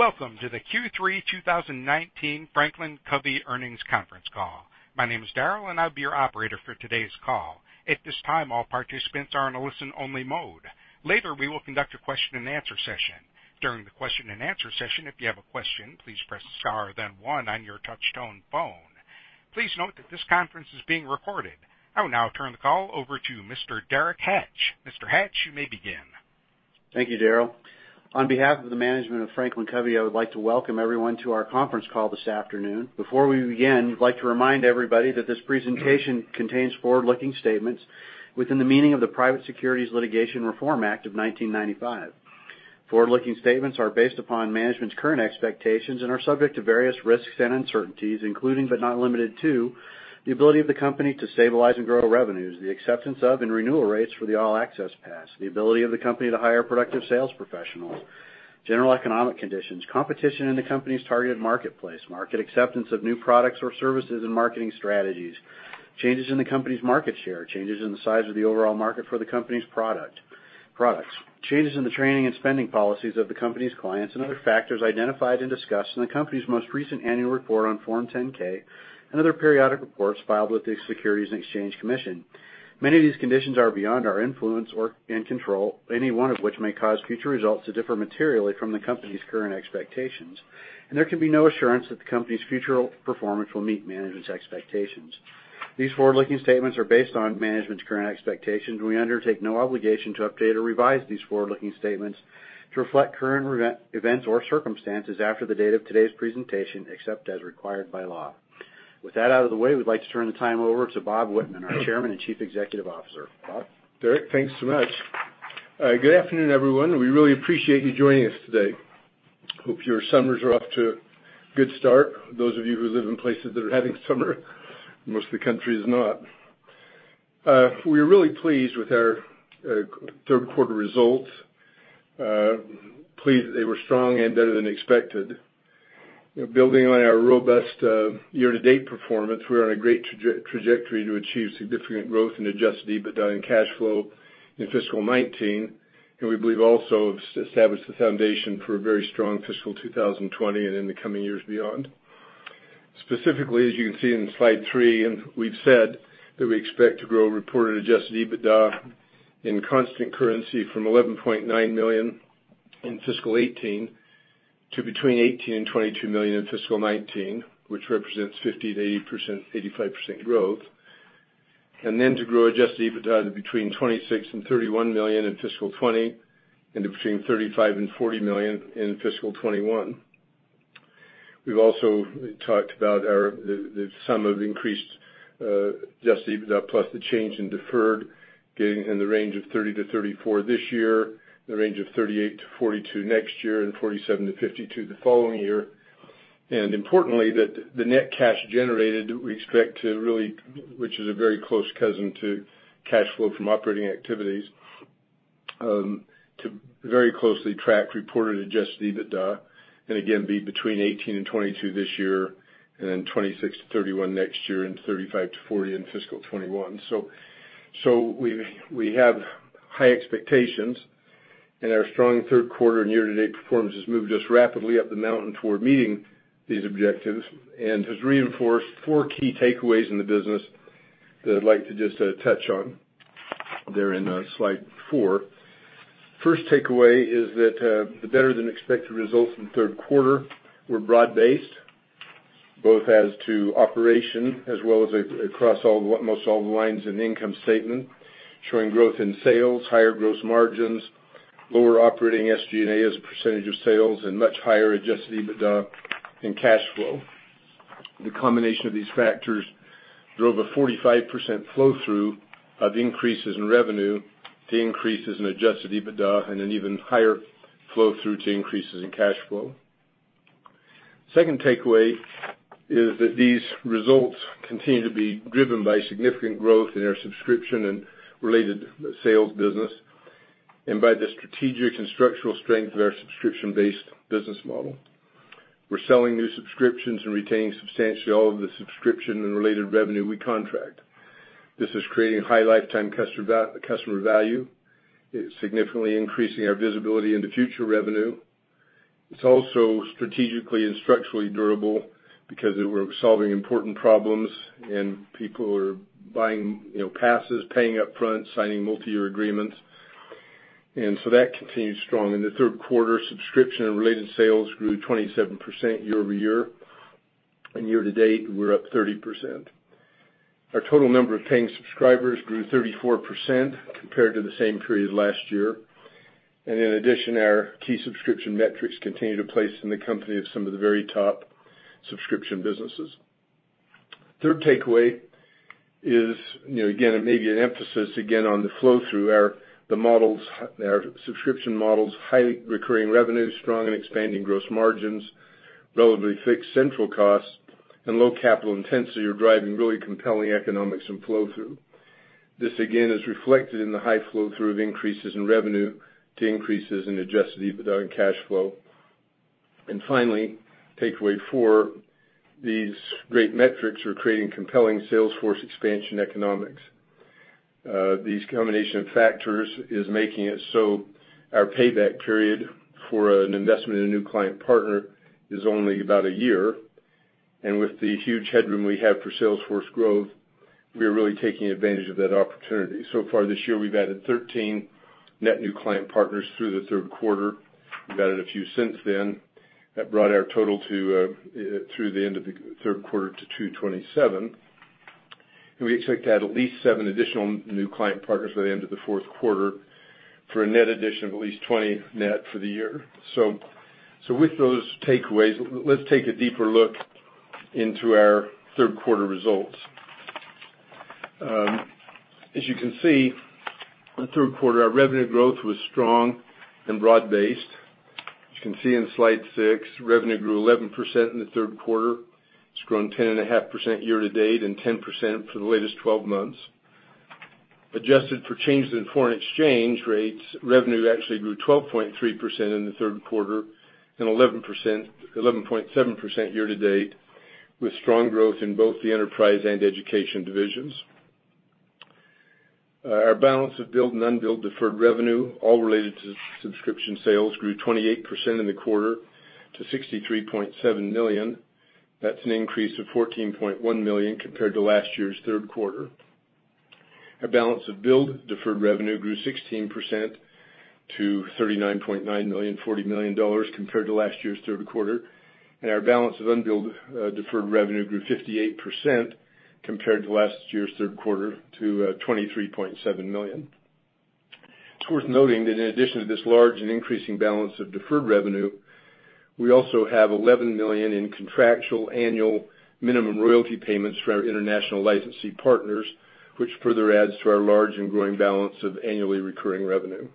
Welcome to the Q3 2019 FranklinCovey Earnings Conference Call. My name is Daryl, and I'll be your operator for today's call. At this time, all participants are in a listen-only mode. Later, we will conduct a question and answer session. During the question and answer session, if you have a question, please press star then one on your touch-tone phone. Please note that this conference is being recorded. I will now turn the call over to Mr. Derek Hatch. Mr. Hatch, you may begin. Thank you, Daryl. On behalf of the management of FranklinCovey, I would like to welcome everyone to our conference call this afternoon. Before we begin, we'd like to remind everybody that this presentation contains forward-looking statements within the meaning of the Private Securities Litigation Reform Act of 1995. Forward-looking statements are based upon management's current expectations and are subject to various risks and uncertainties, including but not limited to the ability of the company to stabilize and grow revenues, the acceptance of and renewal rates for the All Access Pass, the ability of the company to hire productive sales professionals, general economic conditions, competition in the company's targeted marketplace, market acceptance of new products or services and marketing strategies, changes in the company's market share, changes in the size of the overall market for the company's products, changes in the training and spending policies of the company's clients and other factors identified and discussed in the company's most recent annual report on Form 10-K and other periodic reports filed with the Securities and Exchange Commission. Many of these conditions are beyond our influence or/and control, any one of which may cause future results to differ materially from the company's current expectations, there can be no assurance that the company's future performance will meet management's expectations. These forward-looking statements are based on management's current expectations. We undertake no obligation to update or revise these forward-looking statements to reflect current events or circumstances after the date of today's presentation, except as required by law. With that out of the way, we'd like to turn the time over to Bob Whitman, our Chairman and Chief Executive Officer. Bob? Derek, thanks so much. Good afternoon, everyone. We really appreciate you joining us today. Hope your summers are off to a good start, those of you who live in places that are having summer. Most of the country is not. We are really pleased with our third quarter results. Pleased that they were strong and better than expected. Building on our robust year-to-date performance, we are on a great trajectory to achieve significant growth in adjusted EBITDA and cash flow in fiscal 2019, and we believe also have established the foundation for a very strong fiscal 2020 and in the coming years beyond. Specifically, as you can see in slide three, we've said that we expect to grow reported adjusted EBITDA in constant currency from $11.9 million in fiscal 2018 to between $18 million and $22 million in fiscal 2019, which represents 50%-85% growth. To grow adjusted EBITDA to between $26 million and $31 million in fiscal 2020 and to between $35 million and $40 million in fiscal 2021. We've also talked about the sum of increased adjusted EBITDA plus the change in deferred getting in the range of $30 million to $34 million this year, in the range of $38 million to $42 million next year and $47 million to $52 million the following year. Importantly, that the net cash generated, we expect to really, which is a very close cousin to cash flow from operating activities, to very closely track reported adjusted EBITDA, and again, be between $18 million and $22 million this year, and then $26 million to $31 million next year and $35 million to $40 million in fiscal 2021. We have high expectations, and our strong third quarter and year-to-date performance has moved us rapidly up the mountain toward meeting these objectives and has reinforced four key takeaways in the business that I'd like to just touch on. They're in slide four. First takeaway is that the better-than-expected results from third quarter were broad-based, both as to operation as well as across most all the lines in the income statement, showing growth in sales, higher gross margins, lower operating SG&A as a percentage of sales and much higher adjusted EBITDA and cash flow. The combination of these factors drove a 45% flow-through of increases in revenue to increases in adjusted EBITDA and an even higher flow-through to increases in cash flow. Second takeaway is that these results continue to be driven by significant growth in our subscription and related sales business and by the strategic and structural strength of our subscription-based business model. We're selling new subscriptions and retaining substantially all of the subscription and related revenue we contract. This is creating high lifetime customer value. It is significantly increasing our visibility into future revenue. It's also strategically and structurally durable because we're solving important problems, people are buying passes, paying up front, signing multi-year agreements, that continues strong. In the third quarter, subscription and related sales grew 27% year-over-year, and year-to-date, we're up 30%. Our total number of paying subscribers grew 34% compared to the same period last year. In addition, our key subscription metrics continue to place the company at some of the very top subscription businesses. Third takeaway is, again, maybe an emphasis again on the flow through our subscription models, high recurring revenue, strong and expanding gross margins, relatively fixed central costs, and low capital intensity are driving really compelling economics and flow through. This, again, is reflected in the high flow through of increases in revenue to increases in adjusted EBITDA and cash flow. Finally, takeaway four, these great metrics are creating compelling sales force expansion economics. These combination of factors is making it so our payback period for an investment in a new client partner is only about a year. With the huge headroom we have for sales force growth, we are really taking advantage of that opportunity. So far this year, we've added 13 net new client partners through the third quarter. We've added a few since then. That brought our total through the end of the third quarter to 227. We expect to add at least seven additional new client partners by the end of the fourth quarter for a net addition of at least 20 net for the year. With those takeaways, let's take a deeper look into our third quarter results. As you can see, in the third quarter, our revenue growth was strong and broad-based. As you can see in slide six, revenue grew 11% in the third quarter. It's grown 10.5% year-to-date and 10% for the latest 12 months. Adjusted for changes in foreign exchange rates, revenue actually grew 12.3% in the third quarter and 11.7% year-to-date, with strong growth in both the enterprise and education divisions. Our balance of billed and unbilled deferred revenue, all related to subscription sales, grew 28% in the quarter to $63.7 million. That's an increase of $14.1 million compared to last year's third quarter. Our balance of billed deferred revenue grew 16% to $39.9 million, $40 million compared to last year's third quarter. Our balance of unbilled deferred revenue grew 58% compared to last year's third quarter to $23.7 million. It's worth noting that in addition to this large and increasing balance of deferred revenue, we also have $11 million in contractual annual minimum royalty payments from our international licensee partners, which further adds to our large and growing balance of annually recurring revenue.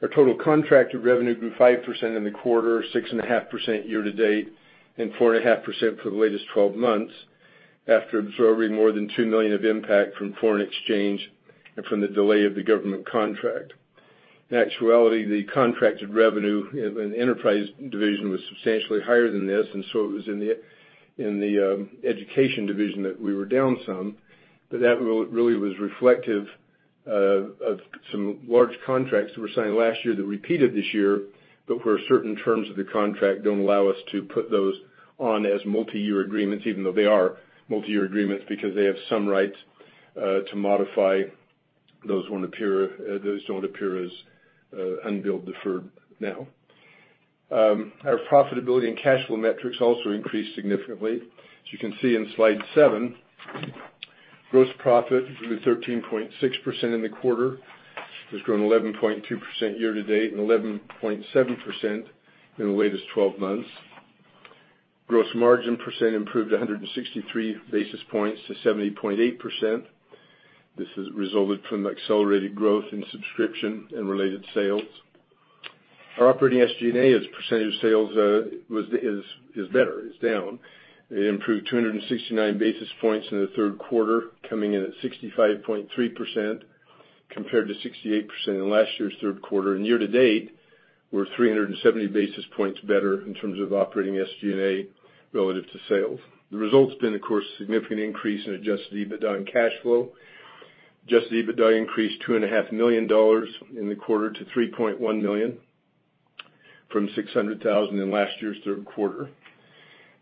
Our total contracted revenue grew 5% in the quarter, 6.5% year-to-date, and 4.5% for the latest 12 months after absorbing more than $2 million of impact from foreign exchange and from the delay of the government contract. In actuality, the contracted revenue in enterprise division was substantially higher than this, and so it was in the education division that we were down some. That really was reflective of some large contracts that were signed last year that repeated this year, but where certain terms of the contract don't allow us to put those on as multi-year agreements, even though they are multi-year agreements, because they have some rights to modify. Those don't appear as unbilled deferred now. Our profitability and cash flow metrics also increased significantly. As you can see in slide seven, gross profit grew 13.6% in the quarter, has grown 11.2% year-to-date, and 11.7% in the latest 12 months. Gross margin percent improved 163 basis points to 70.8%. This has resulted from accelerated growth in subscription and related sales. Our operating SG&A as a percentage of sales is better, is down. It improved 269 basis points in the third quarter, coming in at 65.3% compared to 68% in last year's third quarter. Year-to-date, we're 370 basis points better in terms of operating SG&A relative to sales. The result's been, of course, a significant increase in adjusted EBITDA and cash flow. Adjusted EBITDA increased $2.5 million in the quarter to $3.1 million from $600,000 in last year's third quarter.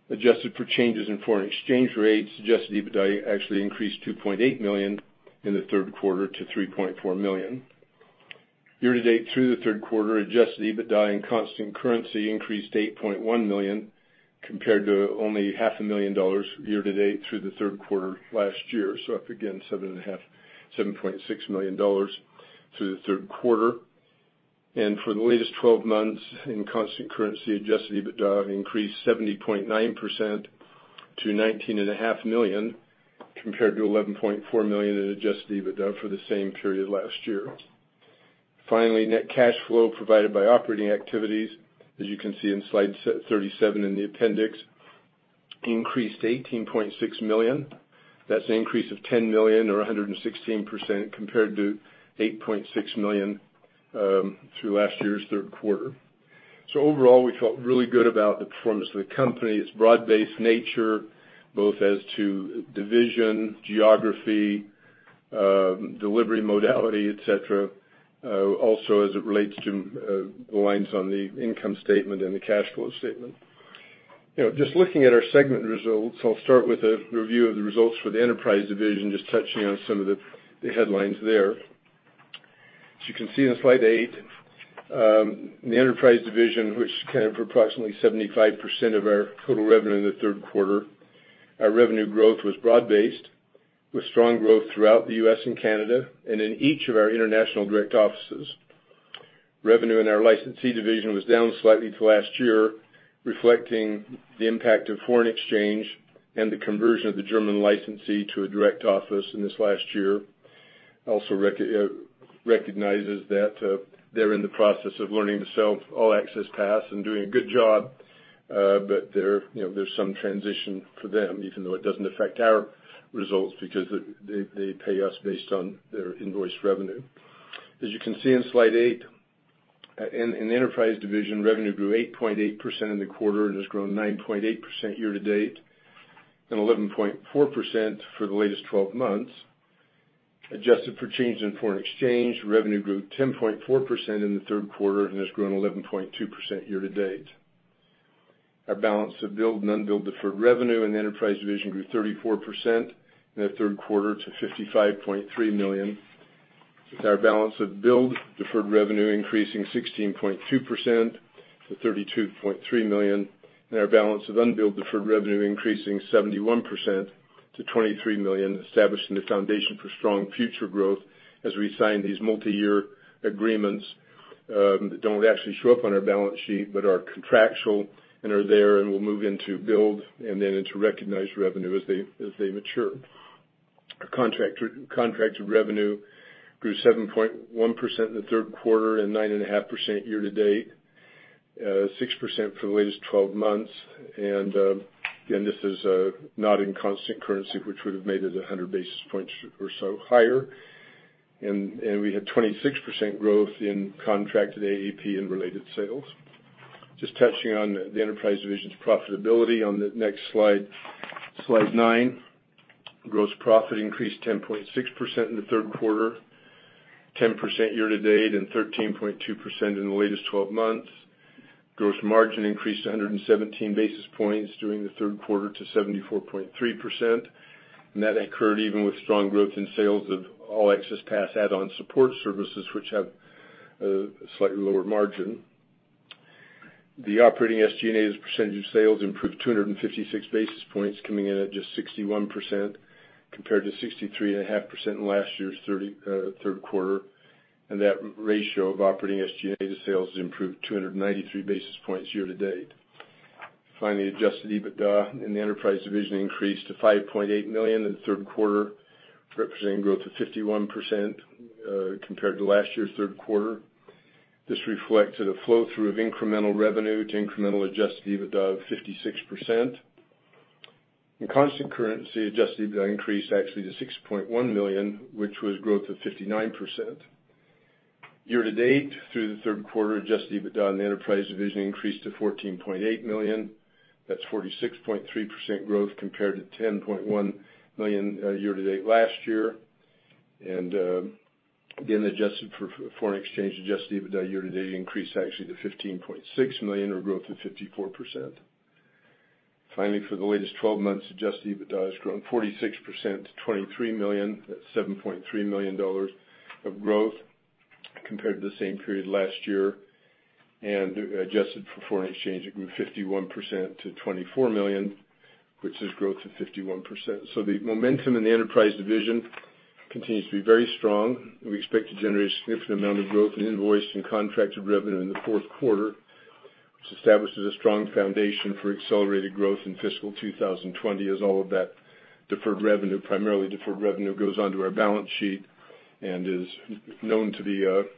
Adjusted for changes in foreign exchange rates, adjusted EBITDA actually increased $2.8 million in the third quarter to $3.4 million. Year-to-date through the third quarter, adjusted EBITDA in constant currency increased $8.1 million compared to only half a million dollars year-to-date through the third quarter last year. Up again, $7.6 million through the third quarter. For the latest 12 months in constant currency, adjusted EBITDA increased 70.9% to $19.5 million, compared to $11.4 million in adjusted EBITDA for the same period last year. Finally, net cash flow provided by operating activities, as you can see in slide 37 in the appendix, increased to $18.6 million. That's an increase of $10 million or 116% compared to $8.6 million through last year's third quarter. Overall, we felt really good about the performance of the company, its broad-based nature, both as to division, geography, delivery modality, et cetera. Also, as it relates to the lines on the income statement and the cash flow statement. Just looking at our segment results, I'll start with a review of the results for the enterprise division, just touching on some of the headlines there. As you can see on slide eight, the enterprise division, which accounted for approximately 75% of our total revenue in the third quarter, our revenue growth was broad-based with strong growth throughout the U.S. and Canada and in each of our international direct offices. Revenue in our licensee division was down slightly to last year, reflecting the impact of foreign exchange and the conversion of the German licensee to a direct office in this last year. Also recognizes that they're in the process of learning to sell All Access Pass and doing a good job. There's some transition for them, even though it doesn't affect our results because they pay us based on their invoiced revenue. As you can see in slide eight. In the enterprise division, revenue grew 8.8% in the quarter and has grown 9.8% year-to-date, and 11.4% for the latest 12 months. Adjusted for change in foreign exchange, revenue grew 10.4% in the third quarter and has grown 11.2% year-to-date. Our balance of billed and unbilled deferred revenue in the enterprise division grew 34% in the third quarter to $55.3 million, with our balance of billed deferred revenue increasing 16.2% to $32.3 million, and our balance of unbilled deferred revenue increasing 71% to $23 million, establishing the foundation for strong future growth as we sign these multi-year agreements that don't actually show up on our balance sheet but are contractual and are there and will move into billed and then into recognized revenue as they mature. Our contracted revenue grew 7.1% in the third quarter and 9.5% year-to-date, 6% for the latest 12 months. Again, this is not in constant currency, which would have made it 100 basis points or so higher. We had 26% growth in contracted AAP and related sales. Just touching on the enterprise division's profitability on the next slide, slide nine. Gross profit increased 10.6% in the third quarter, 10% year-to-date and 13.2% in the latest 12 months. Gross margin increased 117 basis points during the third quarter to 74.3%. That occurred even with strong growth in sales of All Access Pass add-on support services, which have a slightly lower margin. The operating SG&A as a percentage of sales improved 256 basis points, coming in at just 61% compared to 63.5% in last year's third quarter. That ratio of operating SG&A to sales has improved 293 basis points year-to-date. Finally, adjusted EBITDA in the enterprise division increased to $5.8 million in the third quarter, representing growth of 51% compared to last year's third quarter. This reflected a flow-through of incremental revenue to incremental adjusted EBITDA of 56%. In constant currency, adjusted EBITDA increased actually to $6.1 million, which was growth of 59%. Year-to-date through the third quarter, adjusted EBITDA in the enterprise division increased to $14.8 million. That's 46.3% growth compared to $10.1 million year-to-date last year. Again, adjusted for foreign exchange, adjusted EBITDA year-to-date increased actually to $15.6 million, or growth of 54%. Finally, for the latest 12 months, adjusted EBITDA has grown 46% to $23 million. That's $7.3 million of growth compared to the same period last year. Adjusted for foreign exchange, it grew 51% to $24 million, which is growth of 51%. The momentum in the enterprise division continues to be very strong. We expect to generate a significant amount of growth in invoiced and contracted revenue in the fourth quarter, which establishes a strong foundation for accelerated growth in fiscal 2020 as all of that deferred revenue, primarily deferred revenue, goes onto our balance sheet and will for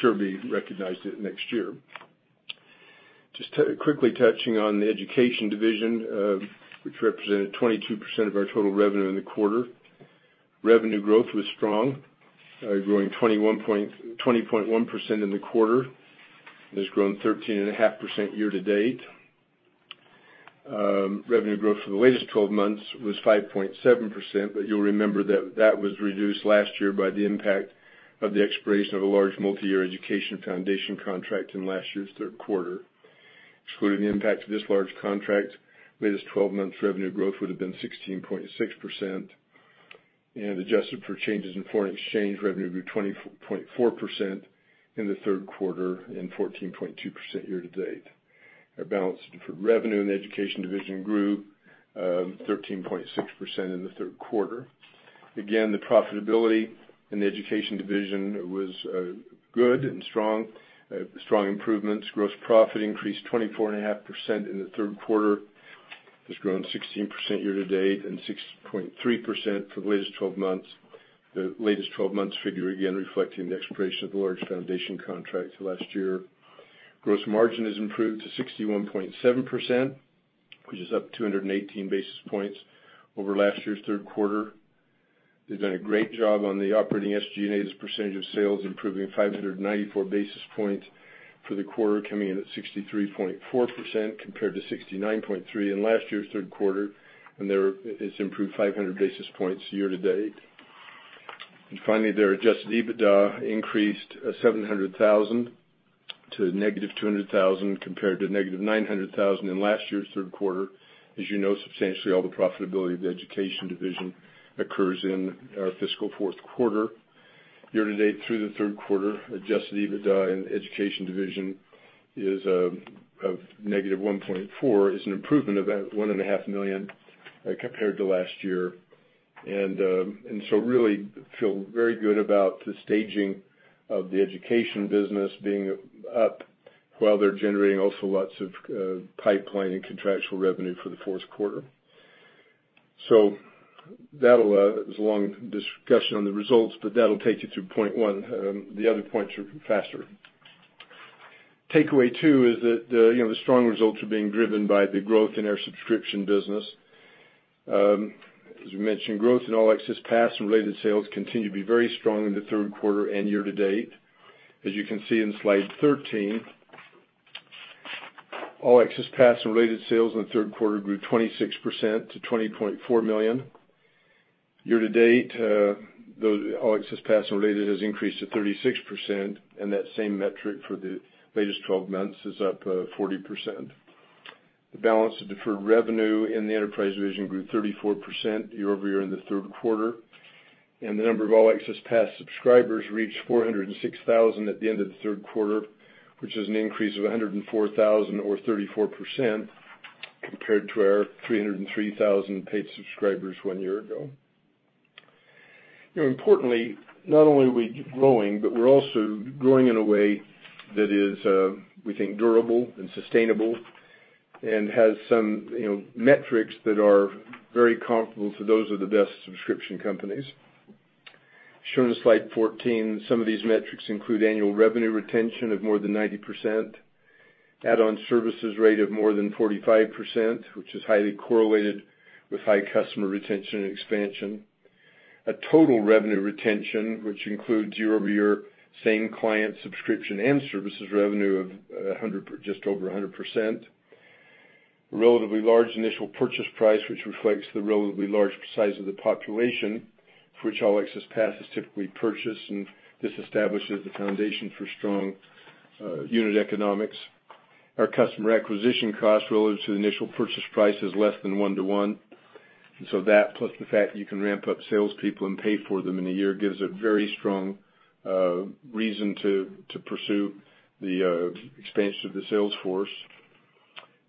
sure be recognized next year. Just quickly touching on the education division, which represented 22% of our total revenue in the quarter. Revenue growth was strong, growing 20.1% in the quarter, and has grown 13.5% year-to-date. Revenue growth for the latest 12 months was 5.7%. You'll remember that that was reduced last year by the impact of the expiration of a large multi-year education foundation contract in last year's third quarter. Excluding the impact of this large contract, latest 12 months revenue growth would have been 16.6%. Adjusted for changes in foreign exchange, revenue grew 20.4% in the third quarter and 14.2% year-to-date. Our balance of deferred revenue in the education division grew 13.6% in the third quarter. Again, the profitability in the education division was good and strong. Strong improvements. Gross profit increased 24.5% in the third quarter, has grown 16% year-to-date and 6.3% for the latest 12 months. The latest 12 months figure, again, reflecting the expiration of the large foundation contract last year. Gross margin has improved to 61.7%, which is up 218 basis points over last year's third quarter. They've done a great job on the operating SG&A as a percentage of sales, improving 594 basis points for the quarter, coming in at 63.4% compared to 69.3% in last year's third quarter. It's improved 500 basis points year-to-date. Finally, their adjusted EBITDA increased $700,000 to negative $200,000 compared to negative $900,000 in last year's third quarter. As you know, substantially all the profitability of the education division occurs in our fiscal fourth quarter. Year-to-date through the third quarter, adjusted EBITDA in the education division is of negative $1.4 million, is an improvement of at $1.5 million compared to last year. Really feel very good about the staging of the education business being up while they're generating also lots of pipeline and contractual revenue for the fourth quarter. That was a long discussion on the results, but that'll take you through point one. The other points are faster. Takeaway two is that the strong results are being driven by the growth in our subscription business. As we mentioned, growth in All Access Pass and related sales continue to be very strong in the third quarter and year-to-date. As you can see in slide 13, All Access Pass and related sales in the third quarter grew 26% to $20.4 million. Year-to-date, All Access Pass and related has increased to 36%, and that same metric for the latest 12 months is up 40%. The balance of deferred revenue in the enterprise division grew 34% year-over-year in the third quarter, and the number of All Access Pass subscribers reached 406,000 at the end of the third quarter, which is an increase of 104,000 or 34% compared to our 303,000 paid subscribers one year ago. Importantly, not only are we growing, but we're also growing in a way that is, we think, durable and sustainable and has some metrics that are very comparable to those of the best subscription companies. Shown in slide 14, some of these metrics include annual revenue retention of more than 90%, add-on services rate of more than 45%, which is highly correlated with high customer retention and expansion. A total revenue retention, which includes year-over-year same client subscription and services revenue of just over 100%. A relatively large initial purchase price, which reflects the relatively large size of the population for which All Access Pass is typically purchased, and this establishes the foundation for strong unit economics. Our customer acquisition cost relative to the initial purchase price is less than one to one. That, plus the fact that you can ramp up salespeople and pay for them in a year, gives a very strong reason to pursue the expansion of the sales force.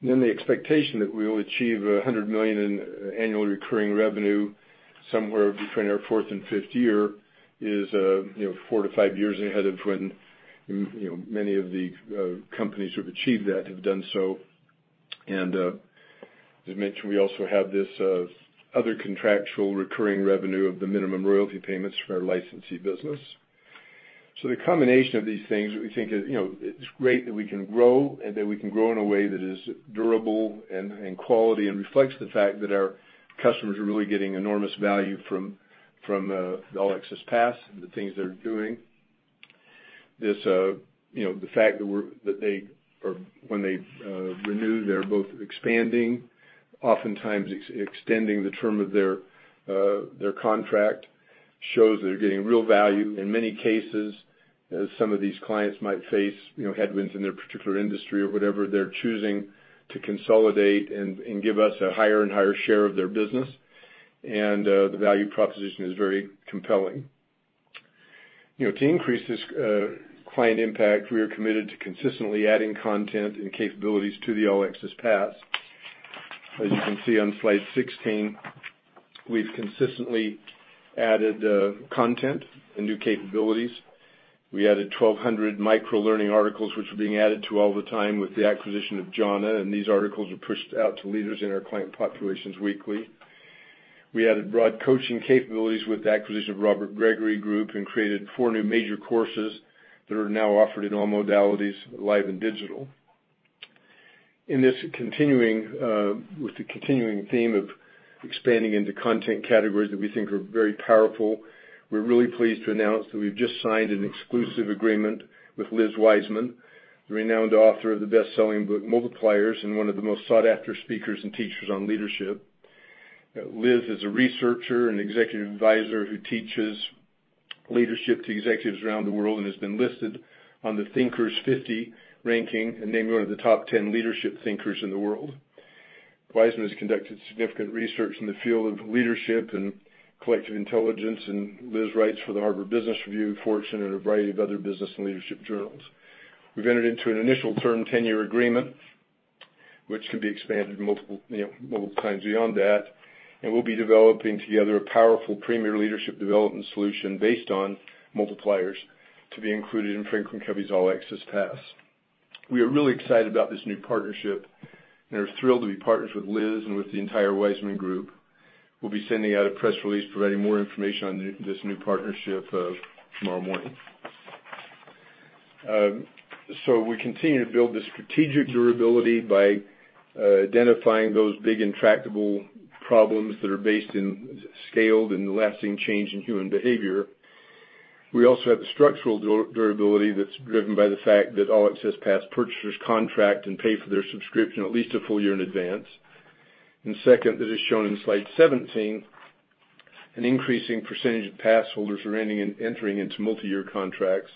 The expectation that we will achieve $100 million in annual recurring revenue somewhere between our fourth and fifth year is four to five years ahead of when many of the companies who have achieved that have done so. As I mentioned, we also have this other contractual recurring revenue of the minimum royalty payments for our licensee business. The combination of these things, we think it's great that we can grow, and that we can grow in a way that is durable and quality and reflects the fact that our customers are really getting enormous value from the All Access Pass and the things they're doing. The fact that when they renew, they're both expanding, oftentimes extending the term of their contract, shows that they're getting real value. In many cases, as some of these clients might face headwinds in their particular industry or whatever, they're choosing to consolidate and give us a higher and higher share of their business. The value proposition is very compelling. To increase this client impact, we are committed to consistently adding content and capabilities to the All Access Pass. As you can see on slide 16, we've consistently added content and new capabilities. We added 1,200 microlearning articles, which are being added to all the time with the acquisition of Jhana, and these articles are pushed out to leaders in our client populations weekly. We added broad coaching capabilities with the acquisition of Robert Gregory Partners and created four new major courses that are now offered in all modalities, live and digital. With the continuing theme of expanding into content categories that we think are very powerful, we are really pleased to announce that we have just signed an exclusive agreement with Liz Wiseman, the renowned author of the best-selling book "Multipliers" and one of the most sought-after speakers and teachers on leadership. Liz is a researcher and executive advisor who teaches leadership to executives around the world and has been listed on the Thinkers50 ranking and named one of the top 10 leadership thinkers in the world. Wiseman has conducted significant research in the field of leadership and collective intelligence, and Liz writes for the "Harvard Business Review," "Fortune," and a variety of other business and leadership journals. We have entered into an initial term 10-year agreement, which can be expanded multiple times beyond that, and we will be developing together a powerful premier leadership development solution based on Multipliers to be included in FranklinCovey's All Access Pass. We are really excited about this new partnership and are thrilled to be partners with Liz and with the entire Wiseman Group. We will be sending out a press release providing more information on this new partnership tomorrow morning. We continue to build the strategic durability by identifying those big intractable problems that are based in scaled and lasting change in human behavior. We also have the structural durability that is driven by the fact that All Access Pass purchasers contract and pay for their subscription at least a full year in advance. Second, as is shown in slide 17, an increasing percentage of pass holders are entering into multi-year contracts.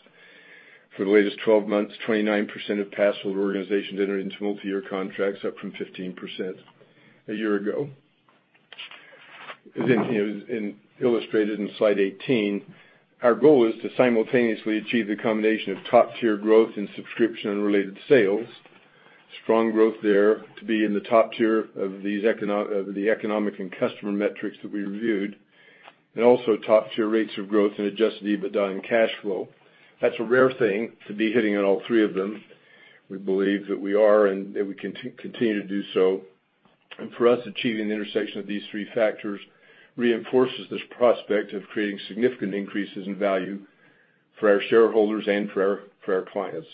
For the latest 12 months, 29% of pass holder organizations entered into multi-year contracts, up from 15% a year ago. As illustrated in slide 18, our goal is to simultaneously achieve the combination of top-tier growth in subscription and related sales, strong growth there to be in the top tier of the economic and customer metrics that we reviewed, and also top-tier rates of growth in adjusted EBITDA and cash flow. That is a rare thing to be hitting on all three of them. We believe that we are and that we continue to do so. For us, achieving the intersection of these three factors reinforces this prospect of creating significant increases in value for our shareholders and for our clients.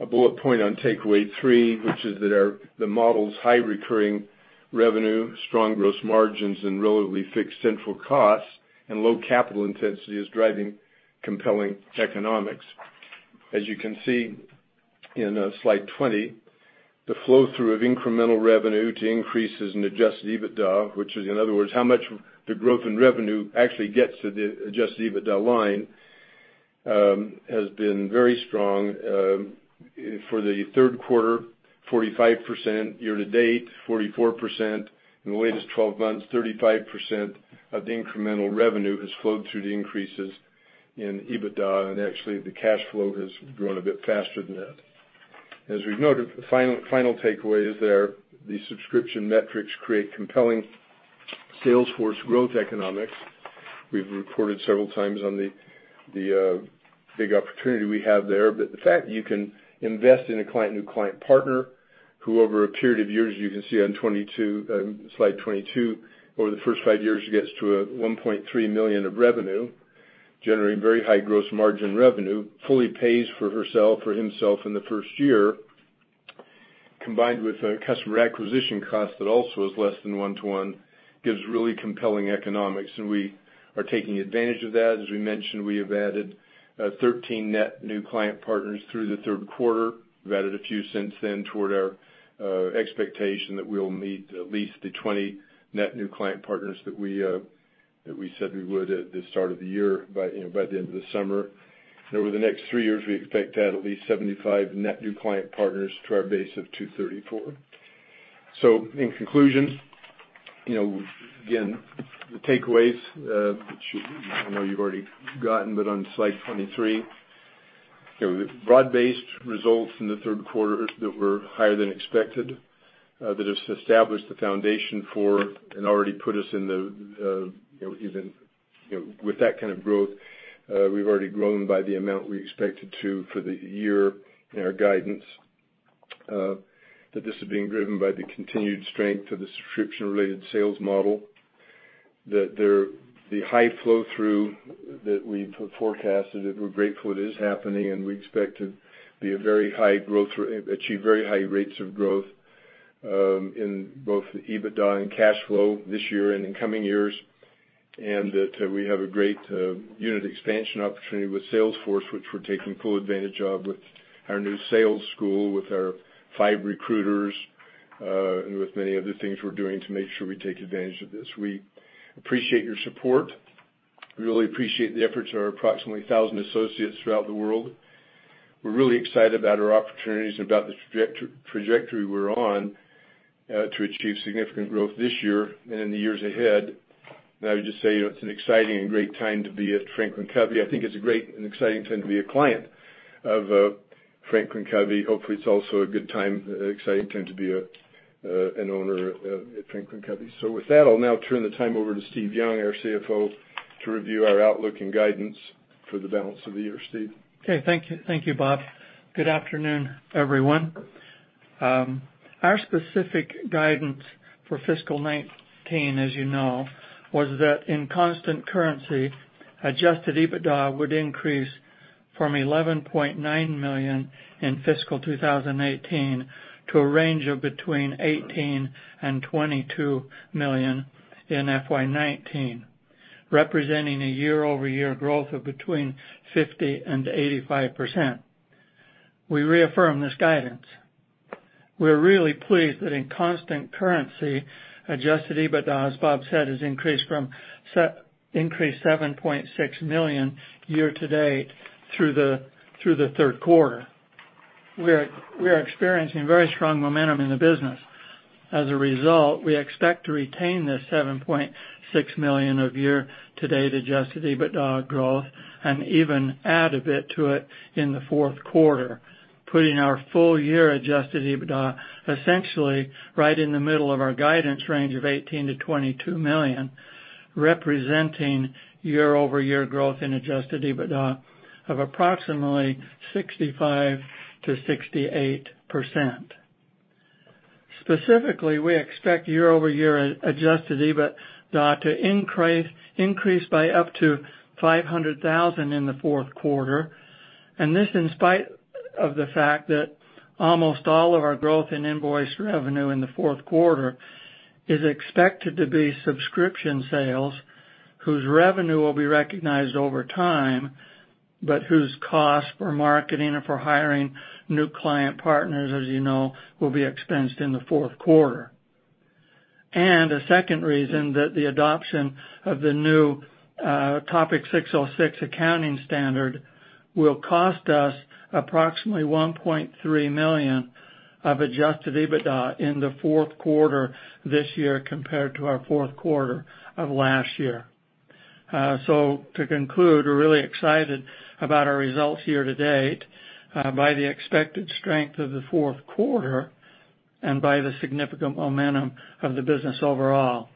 A bullet point on takeaway three, which is that the model's high recurring revenue, strong gross margins, and relatively fixed central costs and low capital intensity is driving compelling economics. As you can see in slide 20, the flow-through of incremental revenue to increases in adjusted EBITDA, which is, in other words, how much the growth in revenue actually gets to the adjusted EBITDA line, has been very strong. For the third quarter, 45%, year-to-date, 44%, in the latest 12 months, 35% of the incremental revenue has flowed through the increases in EBITDA, and actually, the cash flow has grown a bit faster than that. As we've noted, the final takeaway is the subscription metrics create compelling Salesforce growth economics. We've reported several times on the big opportunity we have there. The fact that you can invest in a new client partner who over a period of years, you can see on slide 22, over the first five years gets to a $1.3 million of revenue, generating very high gross margin revenue, fully pays for herself or himself in the first year, combined with a customer acquisition cost that also is less than one-to-one, gives really compelling economics, and we are taking advantage of that. As we mentioned, we have added 13 net new client partners through the third quarter. We've added a few since then toward our expectation that we'll meet at least the 20 net new client partners that we said we would at the start of the year, by the end of the summer. Over the next three years, we expect to add at least 75 net new client partners to our base of 234. In conclusion, again, the takeaways, which I know you've already gotten, on slide 23, broad-based results from the third quarter that were higher than expected, that have established the foundation for and already put us with that kind of growth, we've already grown by the amount we expected to for the year in our guidance. This is being driven by the continued strength of the subscription-related sales model. The high flow-through that we forecasted, that we're grateful it is happening, and we expect to achieve very high rates of growth, in both EBITDA and cash flow this year and in coming years. We have a great unit expansion opportunity with Salesforce, which we're taking full advantage of with our new sales school, with our five recruiters, and with many other things we're doing to make sure we take advantage of this. We appreciate your support. We really appreciate the efforts of our approximately a thousand associates throughout the world. We're really excited about our opportunities and about the trajectory we're on to achieve significant growth this year and in the years ahead. I would just say, it's an exciting and great time to be at FranklinCovey. I think it's a great and exciting time to be a client of FranklinCovey. Hopefully, it's also a good time, exciting time to be an owner at FranklinCovey. With that, I'll now turn the time over to Steve Young, our CFO, to review our outlook and guidance for the balance of the year. Steve? Thank you, Bob. Good afternoon, everyone. Our specific guidance for fiscal 2019, as you know, was that in constant currency, adjusted EBITDA would increase from $11.9 million in fiscal 2018 to a range of between $18 million and $22 million in FY 2019, representing a year-over-year growth of between 50% and 85%. We reaffirm this guidance. We're really pleased that in constant currency, adjusted EBITDA, as Bob said, has increased $7.6 million year-to-date through the third quarter. We are experiencing very strong momentum in the business. As a result, we expect to retain this $7.6 million of year-to-date adjusted EBITDA growth and even add a bit to it in the fourth quarter, putting our full year adjusted EBITDA essentially right in the middle of our guidance range of $18 million to $22 million, representing year-over-year growth in adjusted EBITDA of approximately 65%-68%. Specifically, we expect year-over-year adjusted EBITDA to increase by up to $500,000 in the fourth quarter. This in spite of the fact that almost all of our growth in invoice revenue in the fourth quarter is expected to be subscription sales, whose revenue will be recognized over time, but whose cost for marketing and for hiring new client partners, as you know, will be expensed in the fourth quarter. A second reason that the adoption of the new Topic 606 accounting standard will cost us approximately $1.3 million of adjusted EBITDA in the fourth quarter this year, compared to our fourth quarter of last year. To conclude, we're really excited about our results year-to-date, by the expected strength of the fourth quarter, and by the significant momentum of the business overall.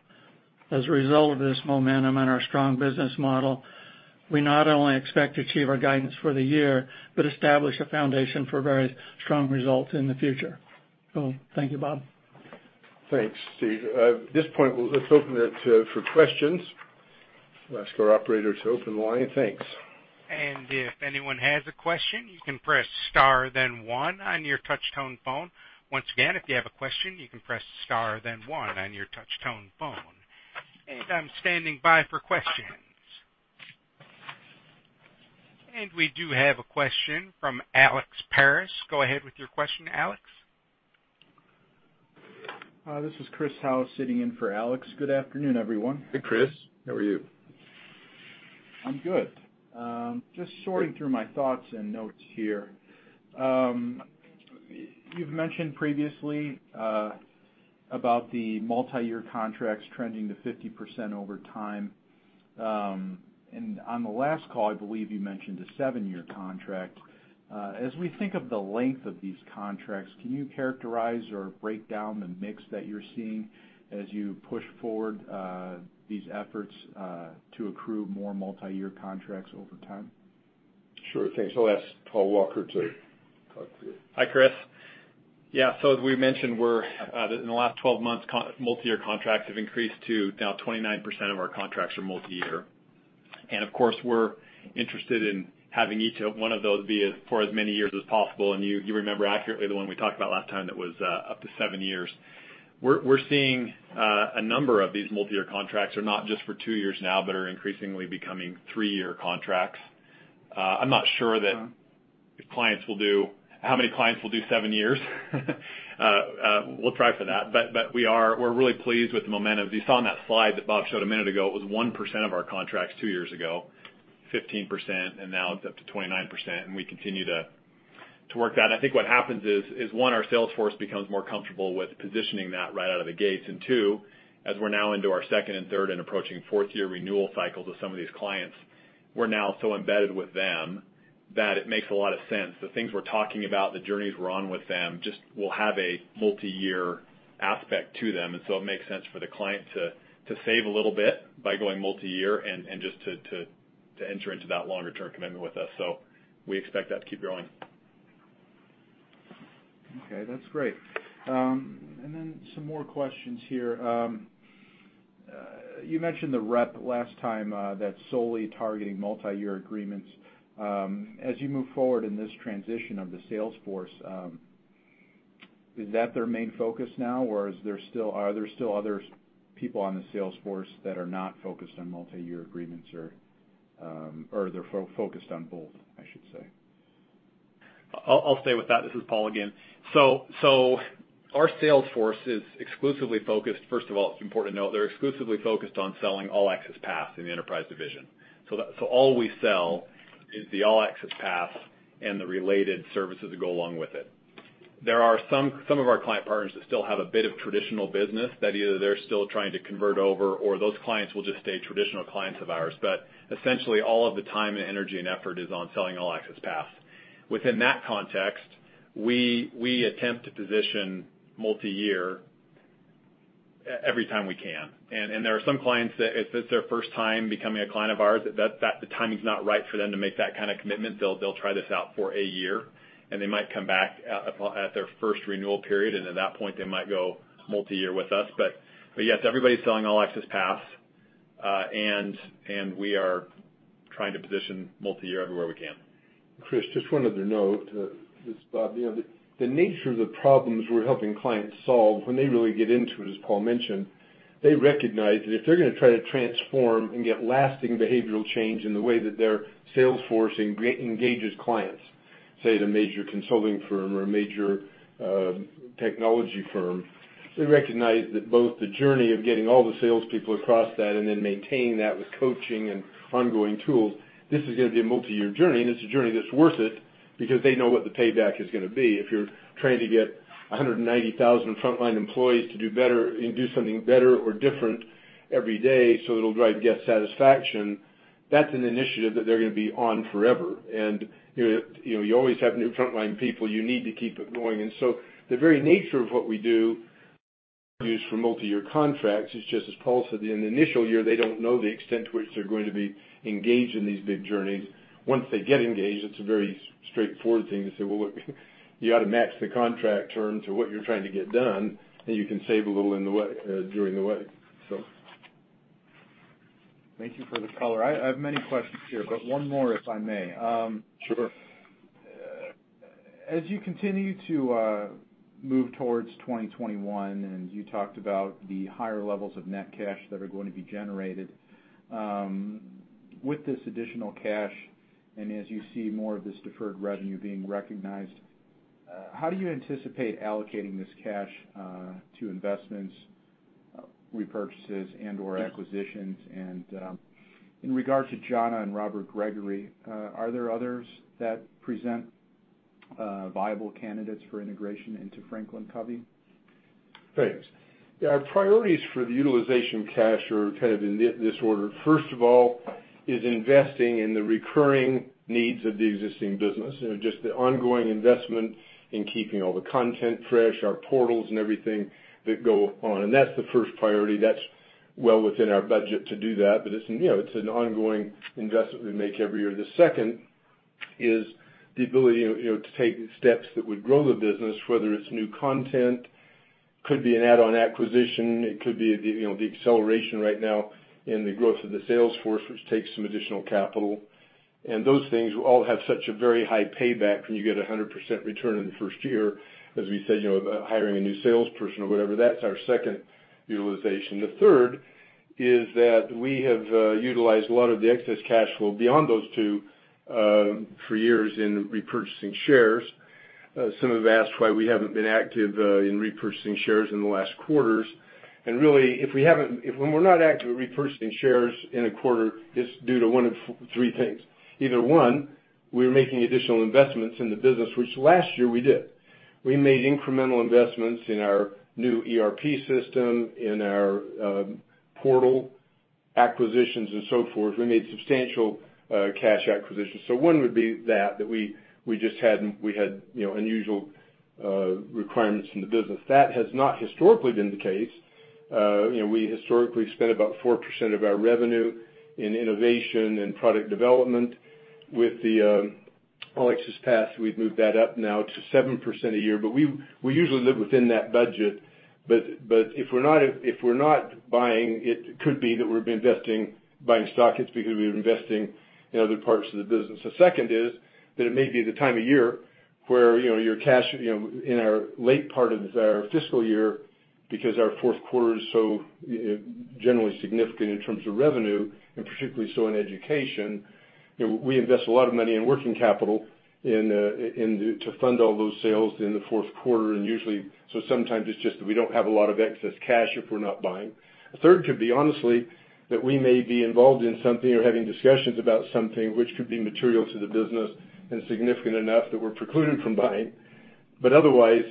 As a result of this momentum and our strong business model, we not only expect to achieve our guidance for the year, but establish a foundation for very strong results in the future. Thank you, Bob. Thanks, Steve. At this point, let's open it for questions. I'll ask our operator to open the line. Thanks. If anyone has a question, you can press star then one on your touch tone phone. Once again, if you have a question, you can press star then one on your touch tone phone. I'm standing by for questions. We do have a question from Alex Paris. Go ahead with your question, Alex. This is Chris Howe sitting in for Alex. Good afternoon, everyone. Hey, Chris. How are you? I'm good. Just sorting through my thoughts and notes here. You've mentioned previously about the multi-year contracts trending to 50% over time. On the last call, I believe you mentioned a seven-year contract. As we think of the length of these contracts, can you characterize or break down the mix that you're seeing as you push forward these efforts to accrue more multi-year contracts over time? Sure thing. I'll ask Paul Walker to talk to you. Hi, Chris. Yeah. As we mentioned, in the last 12 months, multi-year contracts have increased to now 29% of our contracts are multi-year. Of course, we're interested in having each one of those be for as many years as possible, and you remember accurately the one we talked about last time that was up to seven years. We're seeing a number of these multi-year contracts are not just for two years now, but are increasingly becoming three-year contracts. I'm not sure how many clients will do seven years. We'll try for that, we're really pleased with the momentum. You saw on that slide that Bob showed a minute ago, it was 1% of our contracts two years ago, 15%, and now it's up to 29%, and we continue to work that. I think what happens is, one, our sales force becomes more comfortable with positioning that right out of the gate. Two, as we're now into our second and third and approaching fourth-year renewal cycles with some of these clients, we're now so embedded with them that it makes a lot of sense. The things we're talking about, the journeys we're on with them just will have a multi-year aspect to them. It makes sense for the client to save a little bit by going multi-year and just to enter into that longer-term commitment with us. We expect that to keep growing. Okay, that's great. Some more questions here. You mentioned the rep last time that's solely targeting multi-year agreements. As you move forward in this transition of the sales force, is that their main focus now, or are there still other people on the sales force that are not focused on multi-year agreements, or they're focused on both, I should say? I'll stay with that. This is Paul again. Our sales force is exclusively focused-- First of all, it's important to note, they're exclusively focused on selling All Access Pass in the enterprise division. All we sell is the All Access Pass and the related services that go along with it. There are some of our client partners that still have a bit of traditional business that either they're still trying to convert over, or those clients will just stay traditional clients of ours. Essentially, all of the time and energy, and effort is on selling All Access Pass. Within that context, we attempt to position multi-year every time we can. There are some clients that if it's their first time becoming a client of ours, the timing's not right for them to make that kind of commitment. They'll try this out for a year, they might come back at their first renewal period, at that point, they might go multi-year with us. Yes, everybody's selling All Access Pass, we are trying to position multi-year everywhere we can. Chris, just one other note. This is Bob. The nature of the problems we're helping clients solve when they really get into it, as Paul mentioned, they recognize that if they're going to try to transform and get lasting behavioral change in the way that their sales force engages clients, say at a major consulting firm or a major technology firm, they recognize that both the journey of getting all the salespeople across that and then maintaining that with coaching and ongoing tools, this is going to be a multi-year journey, and it's a journey that's worth it because they know what the payback is going to be. If you're trying to get 190,000 frontline employees to do something better or different every day so it'll drive guest satisfaction, that's an initiative that they're going to be on forever. You always have new frontline people. You need to keep it going. The very nature of what we do use for multi-year contracts is just as Paul said, in the initial year, they don't know the extent to which they're going to be engaged in these big journeys. Once they get engaged, it's a very straightforward thing to say, "Look, you ought to match the contract term to what you're trying to get done, you can save a little during the way. Thank you for the color. I have many questions here, one more if I may. Sure. As you continue to move towards 2021, you talked about the higher levels of net cash that are going to be generated. With this additional cash and as you see more of this deferred revenue being recognized, how do you anticipate allocating this cash to investments, repurchases, and/or acquisitions? In regard to Jhana and Robert Gregory Partners, are there others that present viable candidates for integration into FranklinCovey? Thanks. Our priorities for the utilization of cash are in this order. First of all, is investing in the recurring needs of the existing business, just the ongoing investment in keeping all the content fresh, our portals and everything that go on. That's the first priority. That's well within our budget to do that, it's an ongoing investment we make every year. The second is the ability to take steps that would grow the business, whether it's new content, could be an add-on acquisition, it could be the acceleration right now in the growth of the sales force, which takes some additional capital. Those things all have such a very high payback when you get 100% return in the first year, as we said, hiring a new salesperson or whatever. That's our second utilization. The third is that we have utilized a lot of the excess cash flow beyond those two for years in repurchasing shares. Some have asked why we haven't been active in repurchasing shares in the last quarters. Really, when we're not active in repurchasing shares in a quarter, it's due to one of three things. Either one, we're making additional investments in the business, which last year we did. We made incremental investments in our new ERP system, in our portal acquisitions and so forth. We made substantial cash acquisitions. One would be that we had unusual requirements from the business. That has not historically been the case. We historically spent about 4% of our revenue in innovation and product development. With the All Access Pass, we've moved that up now to 7% a year. We usually live within that budget. If we're not buying, it could be that we've been investing, buying stock, it's because we've been investing in other parts of the business. The second is that it may be the time of year where your cash in our late part of our fiscal year, because our fourth quarter is so generally significant in terms of revenue, and particularly so in education. We invest a lot of money in working capital to fund all those sales in the fourth quarter, and usually, sometimes it's just that we don't have a lot of excess cash if we're not buying. The third could be, honestly, that we may be involved in something or having discussions about something which could be material to the business and significant enough that we're precluded from buying. Otherwise,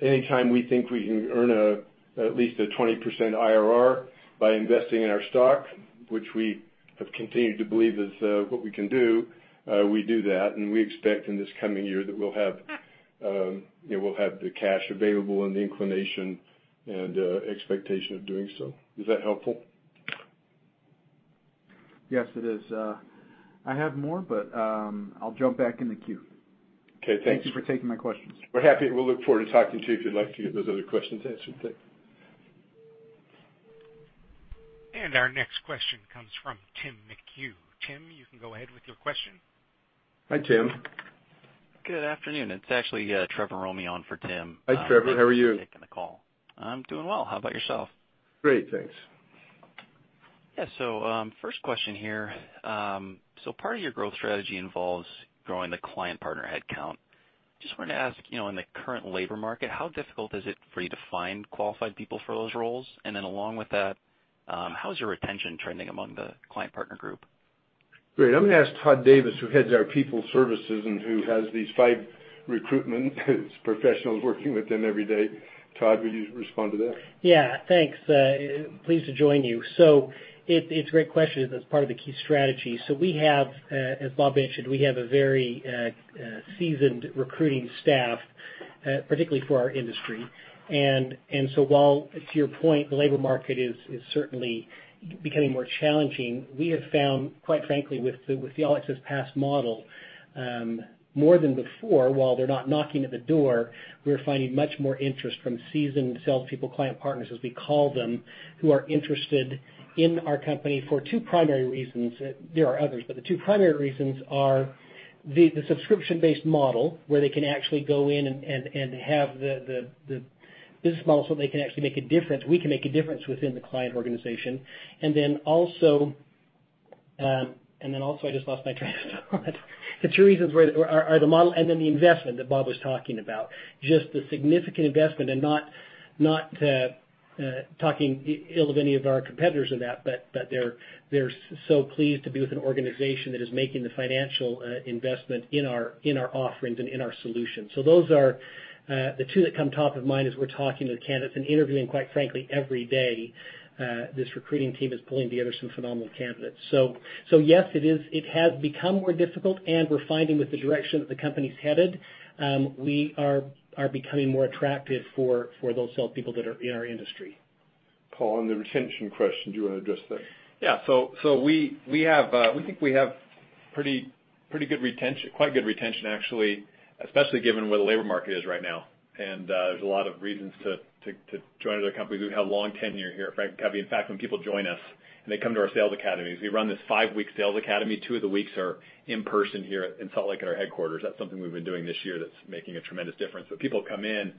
any time we think we can earn at least a 20% IRR by investing in our stock, which we have continued to believe is what we can do, we do that, and we expect in this coming year that we'll have the cash available and the inclination and expectation of doing so. Is that helpful? Yes, it is. I have more, I'll jump back in the queue. Okay, thanks. Thank you for taking my questions. We're happy. We'll look forward to talking to you if you'd like to get those other questions answered. Thank you. Our next question comes from Tim McHugh. Tim, you can go ahead with your question. Hi, Tim. Good afternoon. It's actually Trevor Romeo on for Tim. Hi, Trevor. How are you? Thanks for taking the call. I'm doing well. How about yourself? Great, thanks. Yeah. First question here. Part of your growth strategy involves growing the client partner headcount. Just wanted to ask, in the current labor market, how difficult is it for you to find qualified people for those roles? And then along with that, how is your retention trending among the client partner group? Great. I'm going to ask Todd Davis, who heads our people services and who has these five recruitment professionals working with him every day. Todd, would you respond to that? Yeah. Thanks. Pleased to join you. It's a great question as part of the key strategy. We have, as Bob mentioned, we have a very seasoned recruiting staff, particularly for our industry. While to your point, the labor market is certainly becoming more challenging, we have found, quite frankly, with the All Access Pass model more than before, while they're not knocking at the door, we're finding much more interest from seasoned salespeople, client partners, as we call them, who are interested in our company for two primary reasons. There are others, but the two primary reasons are the subscription-based model, where they can actually go in and have the business model so they can actually make a difference, we can make a difference within the client organization. Also. I just lost my train of thought. The two reasons are the model and the investment that Bob was talking about. Just the significant investment, not talking ill of any of our competitors in that, but they're so pleased to be with an organization that is making the financial investment in our offerings and in our solutions. Those are the two that come top of mind as we're talking to the candidates and interviewing, quite frankly, every day. This recruiting team is pulling together some phenomenal candidates. Yes, it has become more difficult, and we're finding with the direction that the company's headed, we are becoming more attractive for those salespeople that are in our industry. Paul, on the retention question, do you want to address that? Yeah. We think we have quite good retention, actually, especially given where the labor market is right now. There's a lot of reasons to join other companies who have long tenure here at FranklinCovey. In fact, when people join us and they come to our sales academies, we run this five-week sales academy. Two of the weeks are in person here in Salt Lake at our headquarters. That's something we've been doing this year that's making a tremendous difference. People come in,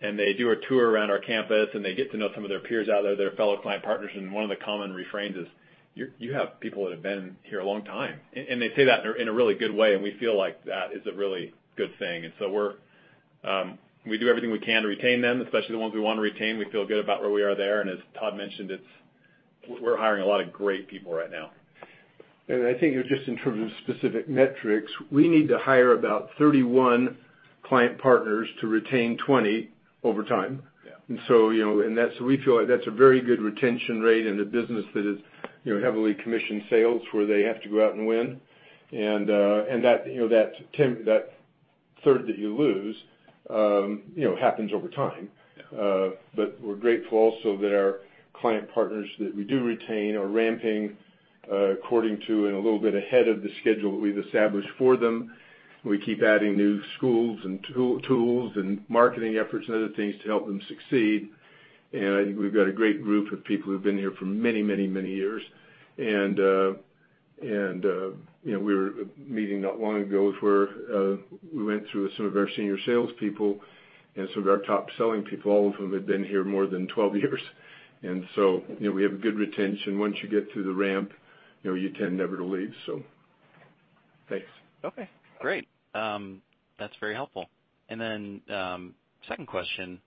and they do a tour around our campus, and they get to know some of their peers out there, their fellow client partners, and one of the common refrains is, "You have people that have been here a long time." They say that in a really good way, and we feel like that is a really good thing. We do everything we can to retain them, especially the ones we want to retain. We feel good about where we are there, and as Todd mentioned, we're hiring a lot of great people right now. I think just in terms of specific metrics, we need to hire about 31 client partners to retain 20 over time. Yeah. We feel like that's a very good retention rate in a business that is heavily commissioned sales where they have to go out and win. That third that you lose happens over time. Yeah. We're grateful also that our client partners that we do retain are ramping according to and a little bit ahead of the schedule that we've established for them. We keep adding new schools and tools and marketing efforts and other things to help them succeed. I think we've got a great group of people who've been here for many years. We were meeting not long ago where we went through some of our senior salespeople and some of our top-selling people, all of whom have been here more than 12 years. We have good retention. Once you get through the ramp, you tend never to leave. Thanks. Okay, great. That's very helpful. Second question,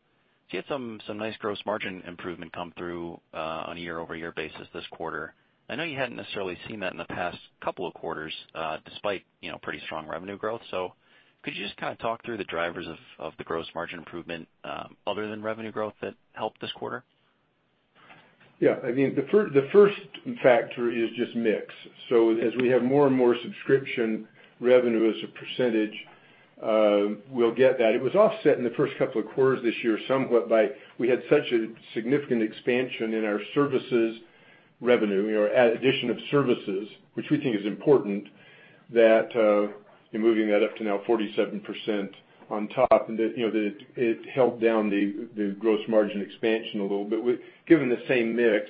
so you had some nice gross margin improvement come through on a year-over-year basis this quarter. I know you hadn't necessarily seen that in the past couple of quarters, despite pretty strong revenue growth. Could you just talk through the drivers of the gross margin improvement other than revenue growth that helped this quarter? Yeah. The first factor is just mix. As we have more and more subscription revenue as a percentage, we'll get that. It was offset in the first couple of quarters this year somewhat by we had such a significant expansion in our services revenue, our addition of services, which we think is important, that moving that up to now 47% on top, and it helped down the gross margin expansion a little bit. Given the same mix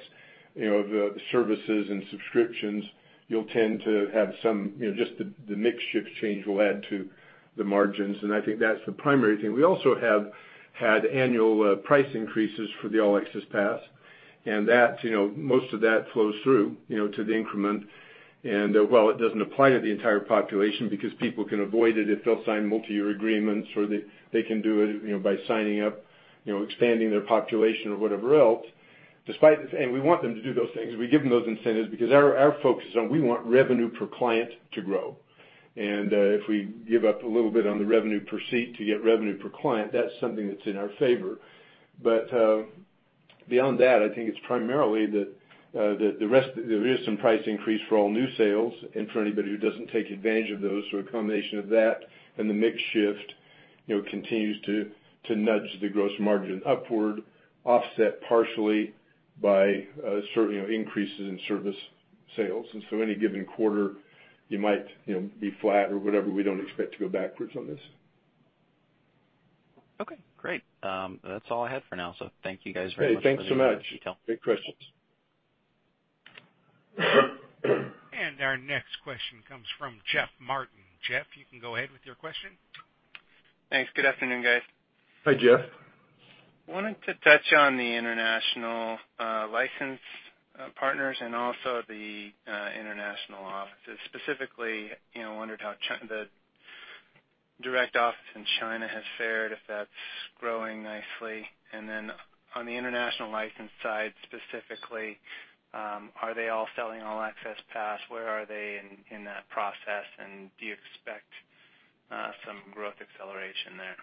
of services and subscriptions, just the mix shift change will add to the margins, and I think that's the primary thing. We also have had annual price increases for the All Access Pass, and most of that flows through to the increment. While it doesn't apply to the entire population because people can avoid it if they'll sign multi-year agreements or they can do it by signing up, expanding their population or whatever else. We want them to do those things. We give them those incentives because our focus is on we want revenue per client to grow. If we give up a little bit on the revenue per seat to get revenue per client, that's something that's in our favor. Beyond that, I think it's primarily that there is some price increase for all new sales and for anybody who doesn't take advantage of those. A combination of that and the mix shift continues to nudge the gross margin upward, offset partially by increases in service sales. Any given quarter, you might be flat or whatever. We don't expect to go backwards on this. Okay, great. That's all I had for now. Thank you guys very much for the detail. Hey, thanks so much. Great questions. Our next question comes from Jeff Martin. Jeff, you can go ahead with your question. Thanks. Good afternoon, guys. Hi, Jeff. Wanted to touch on the international license partners and also the international offices. Specifically, I wondered how the direct office in China has fared, if that's growing nicely. On the international license side, specifically, are they all selling All Access Pass? Where are they in that process, and do you expect some growth acceleration there?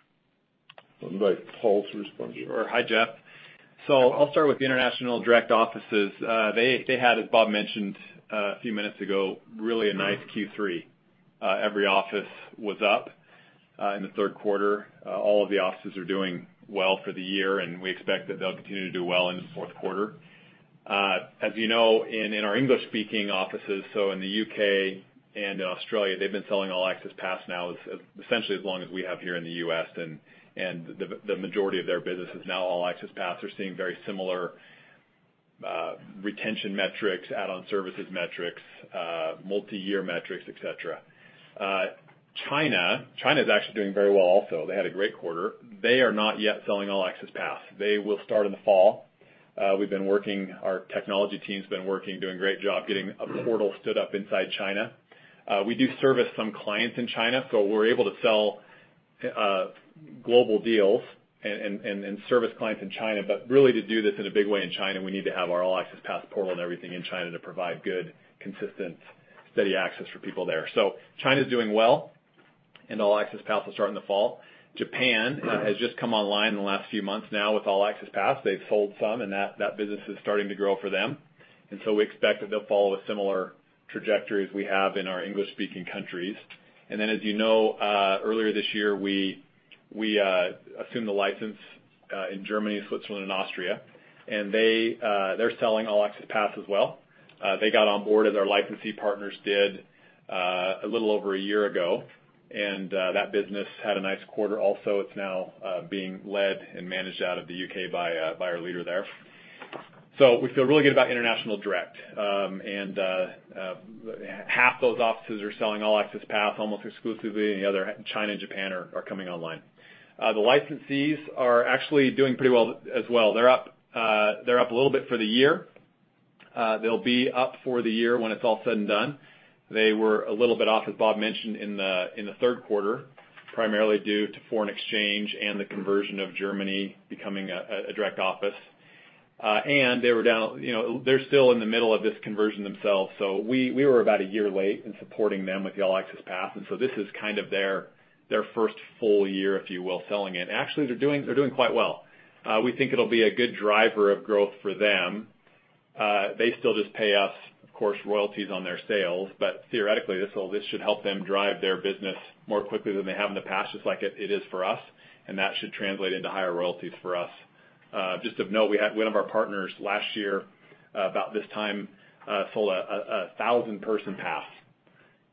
I'll invite Paul to respond to that. Sure. Hi, Jeff. I'll start with the international direct offices. They had, as Bob mentioned a few minutes ago, really a nice Q3. Every office was up in the third quarter. All of the offices are doing well for the year, and we expect that they'll continue to do well into the fourth quarter. As you know, in our English-speaking offices, in the U.K. and in Australia, they've been selling All Access Pass now essentially as long as we have here in the U.S., and the majority of their business is now All Access Pass. We're seeing very similar retention metrics, add-on services metrics, multi-year metrics, et cetera. China is actually doing very well also. They had a great quarter. They are not yet selling All Access Pass. They will start in the fall. Our technology team's been working, doing a great job getting a portal stood up inside China. We do service some clients in China, we're able to sell global deals and service clients in China. Really to do this in a big way in China, we need to have our All Access Pass portal and everything in China to provide good, consistent, steady access for people there. China's doing well, and All Access Pass will start in the fall. Japan has just come online in the last few months now with All Access Pass. They've sold some, and that business is starting to grow for them. We expect that they'll follow a similar trajectory as we have in our English-speaking countries. As you know, earlier this year, we assumed the license in Germany, Switzerland, and Austria. They're selling All Access Pass as well. They got on board as our licensee partners did a little over a year ago, and that business had a nice quarter also. It's now being led and managed out of the U.K. by our leader there. We feel really good about international direct. Half those offices are selling All Access Pass almost exclusively, and the other, China and Japan, are coming online. The licensees are actually doing pretty well as well. They're up a little bit for the year. They'll be up for the year when it's all said and done. They were a little bit off, as Bob mentioned, in the third quarter, primarily due to foreign exchange and the conversion of Germany becoming a direct office. They're still in the middle of this conversion themselves. We were about a year late in supporting them with the All Access Pass, this is kind of their first full year, if you will, selling it. Actually, they're doing quite well. We think it'll be a good driver of growth for them. They still just pay us, of course, royalties on their sales. Theoretically, this should help them drive their business more quickly than they have in the past, just like it is for us, and that should translate into higher royalties for us. Just of note, one of our partners last year about this time, sold a thousand person pass,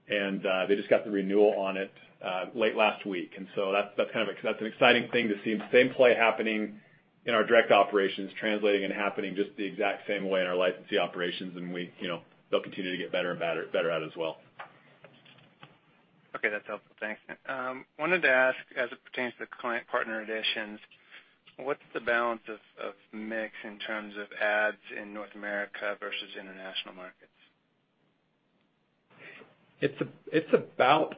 and they just got the renewal on it late last week. That's an exciting thing to see the same play happening in our direct operations translating and happening just the exact same way in our licensee operations, and they'll continue to get better and better at it as well. Okay, that's helpful. Thanks. Wanted to ask, as it pertains to the client partner additions, what's the balance of mix in terms of adds in North America versus international markets? It's about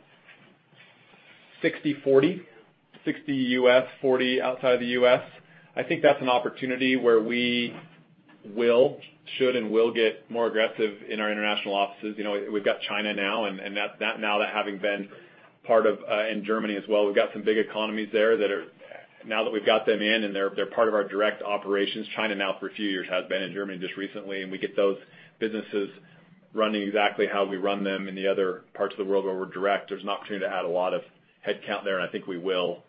60-40, 60 U.S., 40 outside the U.S. I think that's an opportunity where we should and will get more aggressive in our international offices. We've got China now, and Germany as well. We've got some big economies there that are, now that we've got them in and they're part of our direct operations, China now for a few years has been, and Germany just recently, and we get those businesses running exactly how we run them in the other parts of the world where we're direct. There's an opportunity to add a lot of headcount there, and I think we will.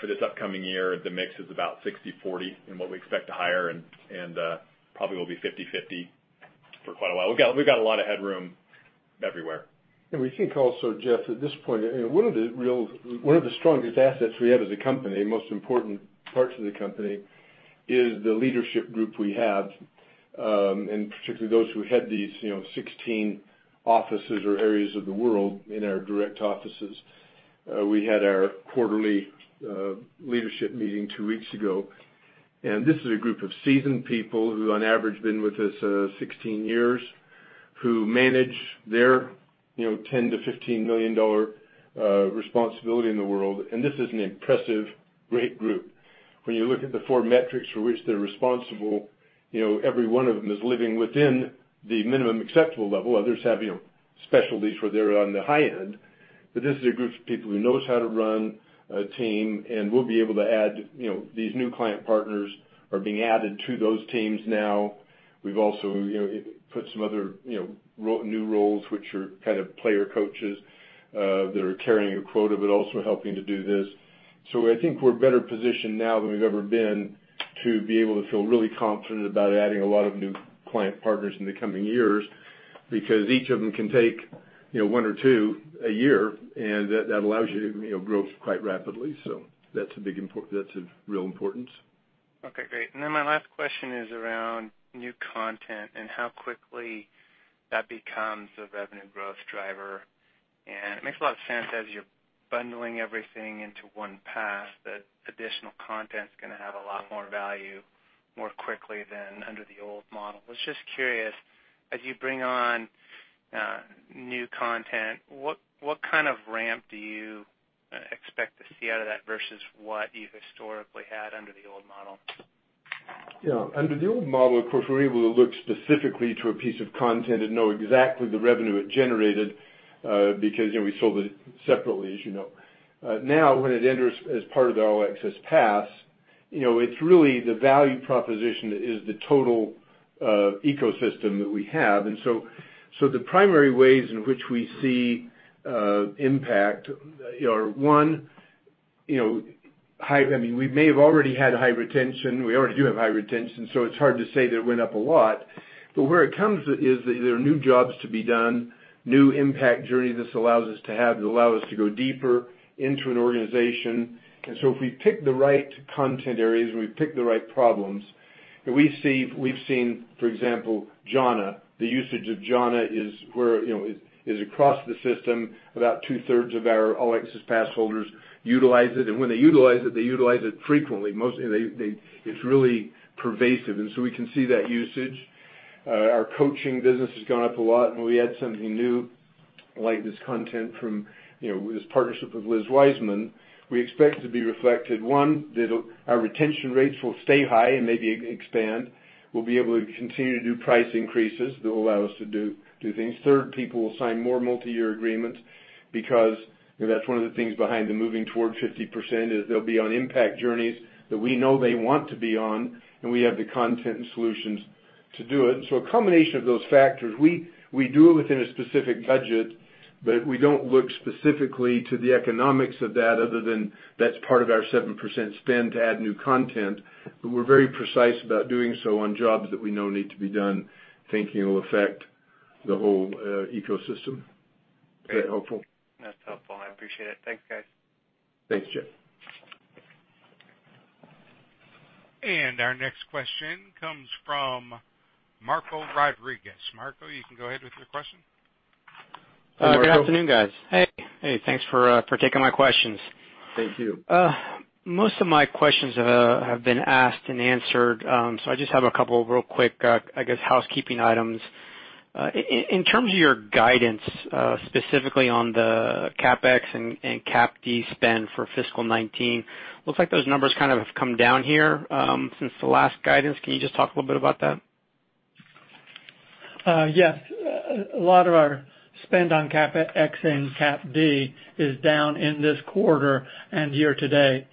For this upcoming year, the mix is about 60-40 in what we expect to hire and probably will be 50-50 for quite a while. We've got a lot of headroom everywhere. We think also, Jeff, at this point, one of the strongest assets we have as a company, most important parts of the company is the leadership group we have, and particularly those who head these 16 offices or areas of the world in our direct offices. We had our quarterly leadership meeting two weeks ago, this is a group of seasoned people who on average been with us 16 years, who manage their $10 million-$15 million responsibility in the world. This is an impressive, great group. When you look at the four metrics for which they're responsible, every one of them is living within the minimum acceptable level. Others have specialties where they're on the high end. This is a group of people who knows how to run a team, and we'll be able to add these new client partners are being added to those teams now. We've also put some other new roles, which are kind of player coaches, that are carrying a quota, but also helping to do this. I think we're better positioned now than we've ever been to be able to feel really confident about adding a lot of new client partners in the coming years, because each of them can take one or two a year, and that allows you to grow quite rapidly. That's of real importance. Okay, great. Then my last question is around new content and how quickly that becomes a revenue growth driver. It makes a lot of sense as you're bundling everything into one pass, that additional content's going to have a lot more value more quickly than under the old model. Was just curious, as you bring on new content, what kind of ramp do you expect to see out of that versus what you've historically had under the old model? Under the old model, of course, we were able to look specifically to a piece of content and know exactly the revenue it generated, because we sold it separately, as you know. Now, when it enters as part of the All Access Pass, it's really the value proposition that is the total ecosystem that we have. The primary ways in which we see impact are one, we may have already had high retention. We already do have high retention, so it's hard to say that it went up a lot. Where it comes is that there are new jobs to be done, new impact journey this allows us to have. It'll allow us to go deeper into an organization. If we pick the right content areas, and we pick the right problems, we've seen, for example, Jhana. The usage of Jhana is across the system. About two-thirds of our All Access Pass holders utilize it. When they utilize it, they utilize it frequently. It's really pervasive. We can see that usage. Our coaching business has gone up a lot when we add something new, like this content from this partnership with Liz Wiseman. We expect it to be reflected. One, that our retention rates will stay high and maybe expand. We'll be able to continue to do price increases that will allow us to do things. Third, people will sign more multi-year agreements, because that's one of the things behind the moving toward 50%, is they'll be on impact journeys that we know they want to be on, and we have the content and solutions to do it. A combination of those factors. We do it within a specific budget, we don't look specifically to the economics of that other than that's part of our 7% spend to add new content. We're very precise about doing so on jobs that we know need to be done, thinking it'll affect the whole ecosystem. Is that helpful? That's helpful. I appreciate it. Thanks, guys. Thanks, Jeff. Our next question comes from Marco Rodriguez. Marco, you can go ahead with your question. Hi, Marco. Good afternoon, guys. Hey. Thanks for taking my questions. Thank you. Most of my questions have been asked and answered. I just have a couple real quick, I guess, housekeeping items. In terms of your guidance, specifically on the CapEx and CapD spend for fiscal 2019, looks like those numbers kind of have come down here since the last guidance. Can you just talk a little bit about that? Yes. A lot of our spend on CapEx and CapD is down in this quarter and year-to-date,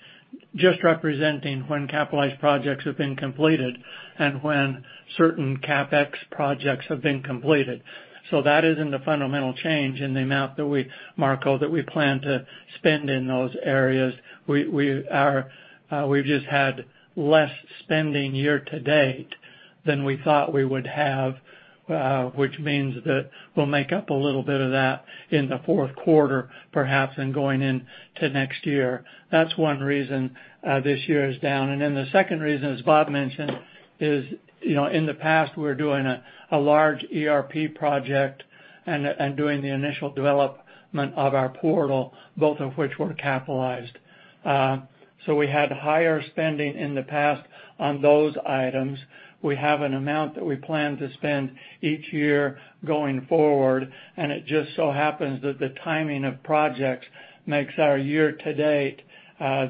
just representing when capitalized projects have been completed and when certain CapEx projects have been completed. That isn't a fundamental change in the amount, Marco, that we plan to spend in those areas. We've just had less spending year-to-date than we thought we would have, which means that we'll make up a little bit of that in the fourth quarter, perhaps, and going into next year. That's one reason this year is down. The second reason, as Bob mentioned, is in the past, we were doing a large ERP project and doing the initial development of our portal, both of which were capitalized. We had higher spending in the past on those items. We have an amount that we plan to spend each year going forward, and it just so happens that the timing of projects makes our year-to-date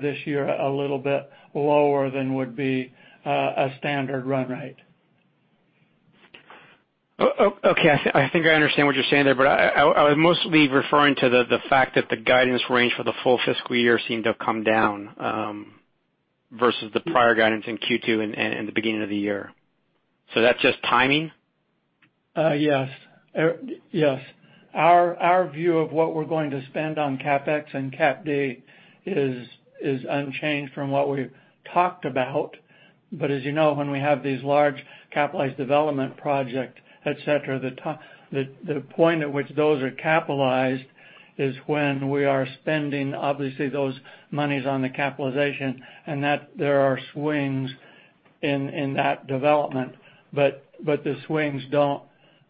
this year a little bit lower than would be a standard run rate. Okay. I think I understand what you're saying there. I was mostly referring to the fact that the guidance range for the full fiscal year seemed to have come down versus the prior guidance in Q2 and the beginning of the year. That's just timing? Yes. Our view of what we're going to spend on CapEx and CapD is unchanged from what we've talked about. As you know, when we have these large capitalized development project, et cetera, the point at which those are capitalized is when we are spending, obviously, those monies on the capitalization, and there are swings in that development. The swings,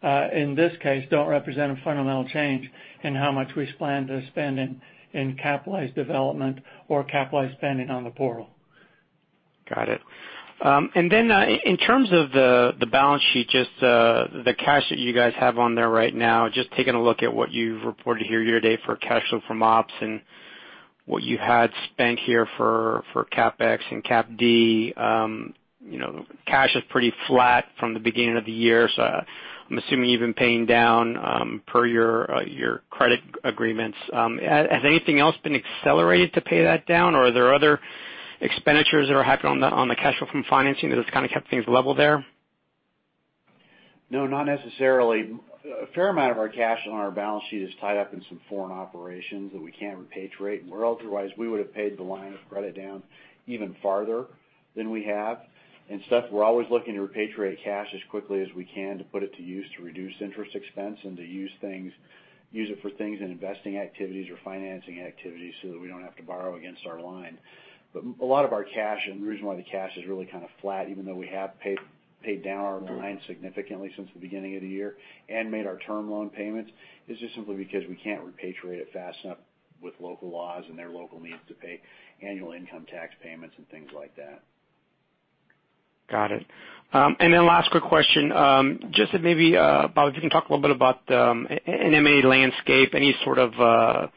in this case, don't represent a fundamental change in how much we plan to spend in capitalized development or capitalized spending on the portal. Got it. Then in terms of the balance sheet, just the cash that you guys have on there right now, just taking a look at what you've reported here year-to-date for cash flow from ops and what you had spent here for CapEx and CapD. Cash is pretty flat from the beginning of the year, I'm assuming you've been paying down per your credit agreements. Has anything else been accelerated to pay that down, or are there other expenditures that are happening on the cash flow from financing that has kind of kept things level there? No, not necessarily. A fair amount of our cash on our balance sheet is tied up in some foreign operations that we can't repatriate. Where otherwise, we would've paid the line of credit down even farther than we have. Seth, we're always looking to repatriate cash as quickly as we can to put it to use to reduce interest expense and to use it for things in investing activities or financing activities so that we don't have to borrow against our line. A lot of our cash, and the reason why the cash is really kind of flat, even though we have paid down our line significantly since the beginning of the year and made our term loan payments, is just simply because we can't repatriate it fast enough with local laws and their local needs to pay annual income tax payments and things like that. Got it. Then last quick question. Just maybe, Bob, you can talk a little bit about the M&A landscape, any sort of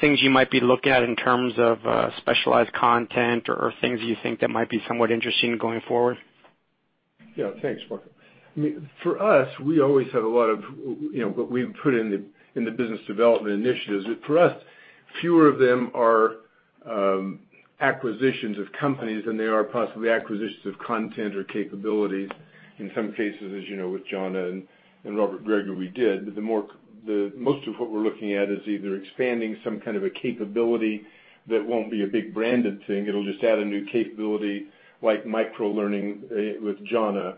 things you might be looking at in terms of specialized content or things you think that might be somewhat interesting going forward? Yeah. Thanks, Marco. For us, we always have a lot of what we put in the business development initiatives. For us, fewer of them are acquisitions of companies than they are possibly acquisitions of content or capabilities. In some cases, as you know, with Jhana and Robert Gregory did. Most of what we're looking at is either expanding some kind of a capability that won't be a big branded thing. It'll just add a new capability like microlearning with Jhana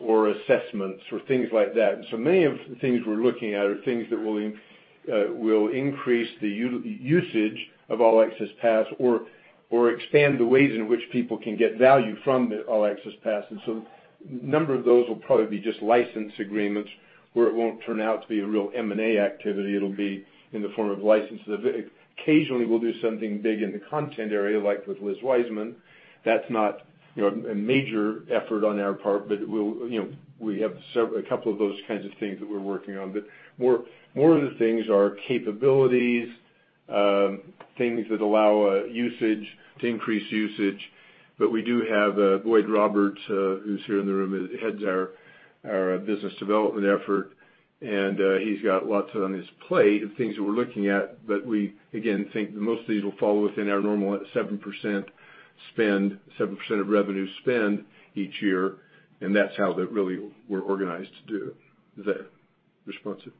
or assessments or things like that. Many of the things we're looking at are things that will increase the usage of All Access Pass or expand the ways in which people can get value from the All Access Pass. A number of those will probably be just license agreements where it won't turn out to be a real M&A activity. It'll be in the form of licenses. Occasionally, we'll do something big in the content area, like with Liz Wiseman. That's not a major effort on our part, but we have a couple of those kinds of things that we're working on. More of the things are capabilities, things that allow usage to increase usage. We do have Boyd Roberts, who's here in the room, who heads our business development effort. He's got lots on his plate of things that we're looking at. We, again, think that most of these will fall within our normal 7% of revenue spend each year, and that's how really we're organized to do it. Is that responsive?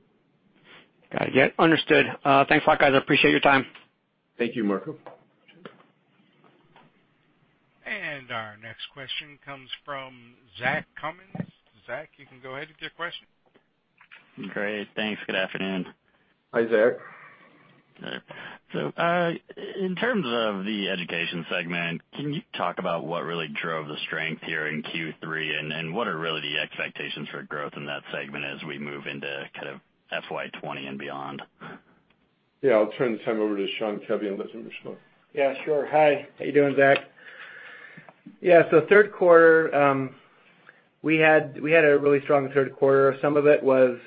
Got it. Yeah. Understood. Thanks a lot, guys. I appreciate your time. Thank you, Marco. Our next question comes from Zach Cummings. Zach, you can go ahead with your question. Great. Thanks. Good afternoon. Hi, Zach. In terms of the education segment, can you talk about what really drove the strength here in Q3, and what are really the expectations for growth in that segment as we move into FY 2020 and beyond? I'll turn the time over to Sean Covey and let him respond. Yeah, sure. Hi. How you doing, Zach? Yeah. Third quarter, we had a really strong third quarter. Some of it was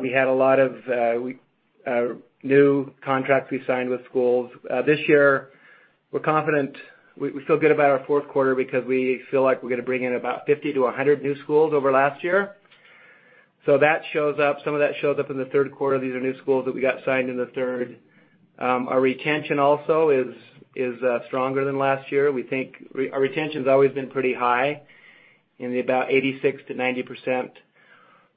we had a lot of new contracts we signed with schools. This year, we feel good about our fourth quarter because we feel like we're going to bring in about 50 to 100 new schools over last year. Some of that shows up in the third quarter. These are new schools that we got signed in the third. Our retention also is stronger than last year. Our retention's always been pretty high, in about 86% to 90%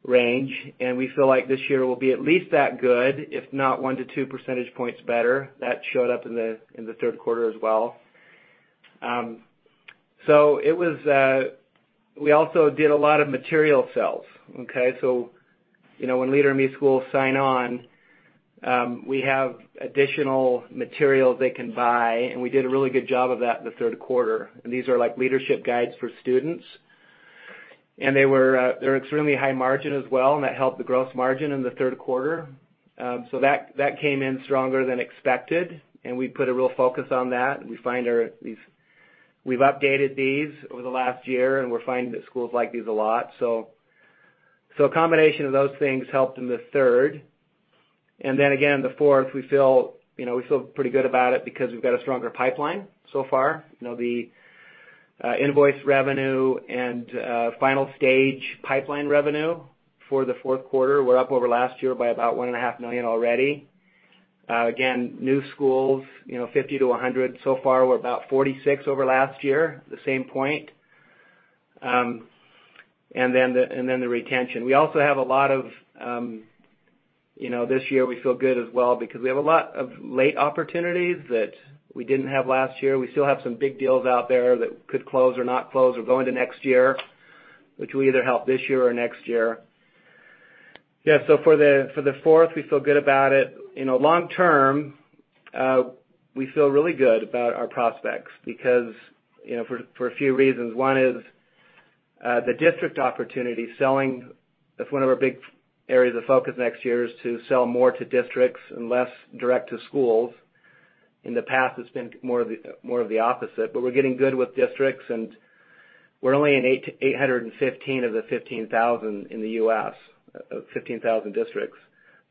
range, and we feel like this year will be at least that good, if not one to two percentage points better. That showed up in the third quarter as well. We also did a lot of material sales. Okay? When Leader in Me schools sign on, we have additional materials they can buy, and we did a really good job of that in the third quarter. These are leadership guides for students. They're extremely high margin as well, and that helped the gross margin in the third quarter. That came in stronger than expected, and we put a real focus on that. We've updated these over the last year, and we're finding that schools like these a lot. A combination of those things helped in the third. Again, the fourth, we feel pretty good about it because we've got a stronger pipeline so far. The invoice revenue and final stage pipeline revenue for the fourth quarter were up over last year by about $1.5 million already. Again, new schools, 50 to 100. So far, we're about 46 over last year, at the same point. The retention. This year we feel good as well because we have a lot of late opportunities that we didn't have last year. We still have some big deals out there that could close or not close or go into next year, which will either help this year or next year. Yeah. For the fourth, we feel good about it. Long term, we feel really good about our prospects for a few reasons. One is the district opportunity. That's one of our big areas of focus next year, is to sell more to districts and less direct to schools. In the past, it's been more of the opposite, but we're getting good with districts, and we're only in 815 of the 15,000 districts in the U.S.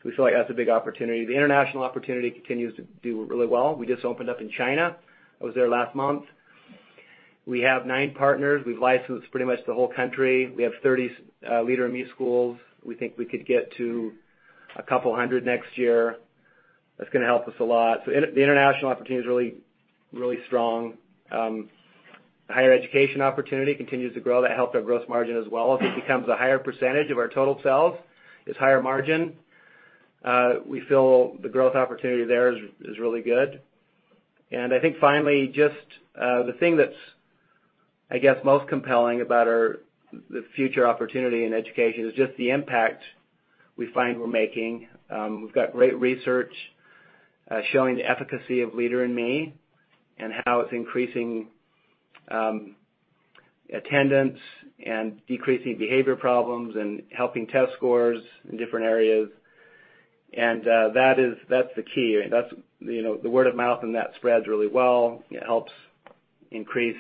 We feel like that's a big opportunity. The international opportunity continues to do really well. We just opened up in China. I was there last month. We have nine partners. We've licensed pretty much the whole country. We have 30 Leader in Me schools. We think we could get to a couple hundred next year. That's going to help us a lot. The international opportunity is really strong. Higher education opportunity continues to grow. That helped our gross margin as well. As it becomes a higher percentage of our total sales, it's higher margin. We feel the growth opportunity there is really good. I think finally, just the thing that's, I guess, most compelling about the future opportunity in education is just the impact we find we're making. We've got great research showing the efficacy of Leader in Me and how it's increasing attendance and decreasing behavior problems and helping test scores in different areas. That's the key. The word of mouth on that spreads really well. It helps increase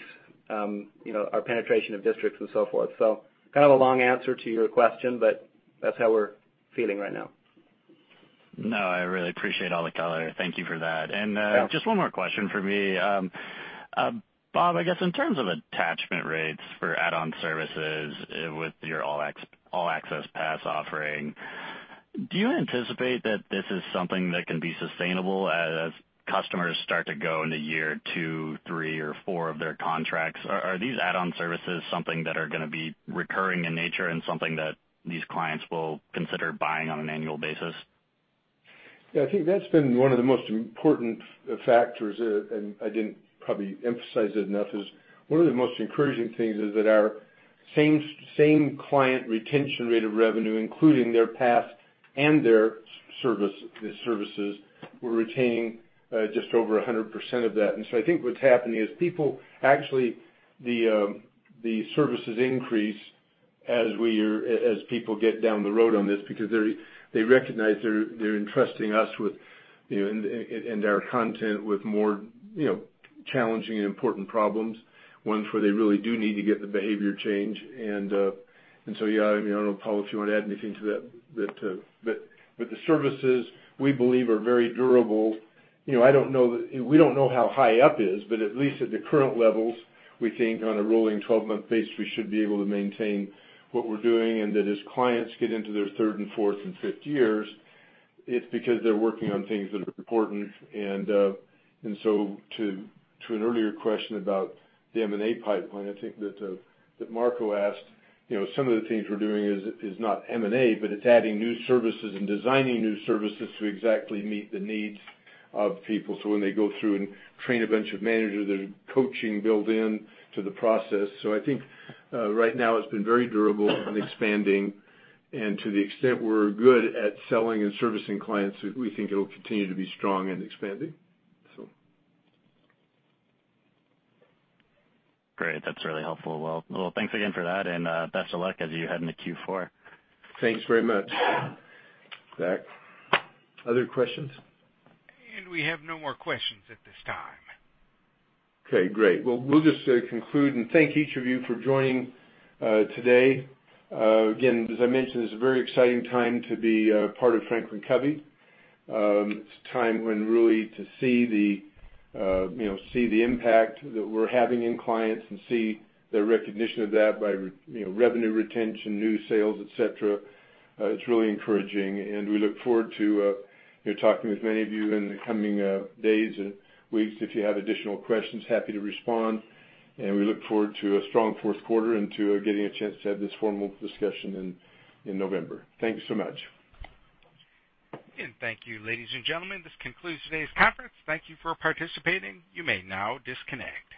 our penetration of districts and so forth. Kind of a long answer to your question, but that's how we're feeling right now. No, I really appreciate all the color. Thank you for that. Yeah. Just one more question from me. Bob, I guess in terms of attachment rates for add-on services with your All Access Pass offering, do you anticipate that this is something that can be sustainable as customers start to go into year two, three or four of their contracts? Are these add-on services something that are going to be recurring in nature and something that these clients will consider buying on an annual basis? Yeah, I think that's been one of the most important factors. I didn't probably emphasize it enough. One of the most encouraging things is that our same client retention rate of revenue, including their past and their services, we're retaining just over 100% of that. I think what's happening is people actually, the services increase as people get down the road on this because they recognize they're entrusting us and our content with more challenging and important problems, ones where they really do need to get the behavior change. I don't know, Paul, if you want to add anything to that. The services, we believe, are very durable. We don't know how high up is, but at least at the current levels, we think on a rolling 12-month base, we should be able to maintain what we're doing, and that as clients get into their third and fourth and fifth years, it's because they're working on things that are important. To an earlier question about the M&A pipeline, I think, that Marco asked. Some of the things we're doing is not M&A, but it's adding new services and designing new services to exactly meet the needs of people. When they go through and train a bunch of managers, there's coaching built into the process. I think right now it's been very durable and expanding. To the extent we're good at selling and servicing clients, we think it'll continue to be strong and expanding. Great. That's really helpful. Thanks again for that, and best of luck as you head into Q4. Thanks very much, Zach. Other questions? We have no more questions at this time. Okay, great. Well, we'll just conclude and thank each of you for joining today. Again, as I mentioned, this is a very exciting time to be a part of FranklinCovey. It's a time when really to see the impact that we're having in clients and see the recognition of that by revenue retention, new sales, et cetera. It's really encouraging, and we look forward to talking with many of you in the coming days or weeks. If you have additional questions, happy to respond. We look forward to a strong fourth quarter and to getting a chance to have this formal discussion in November. Thank you so much. Thank you, ladies and gentlemen. This concludes today's conference. Thank you for participating. You may now disconnect.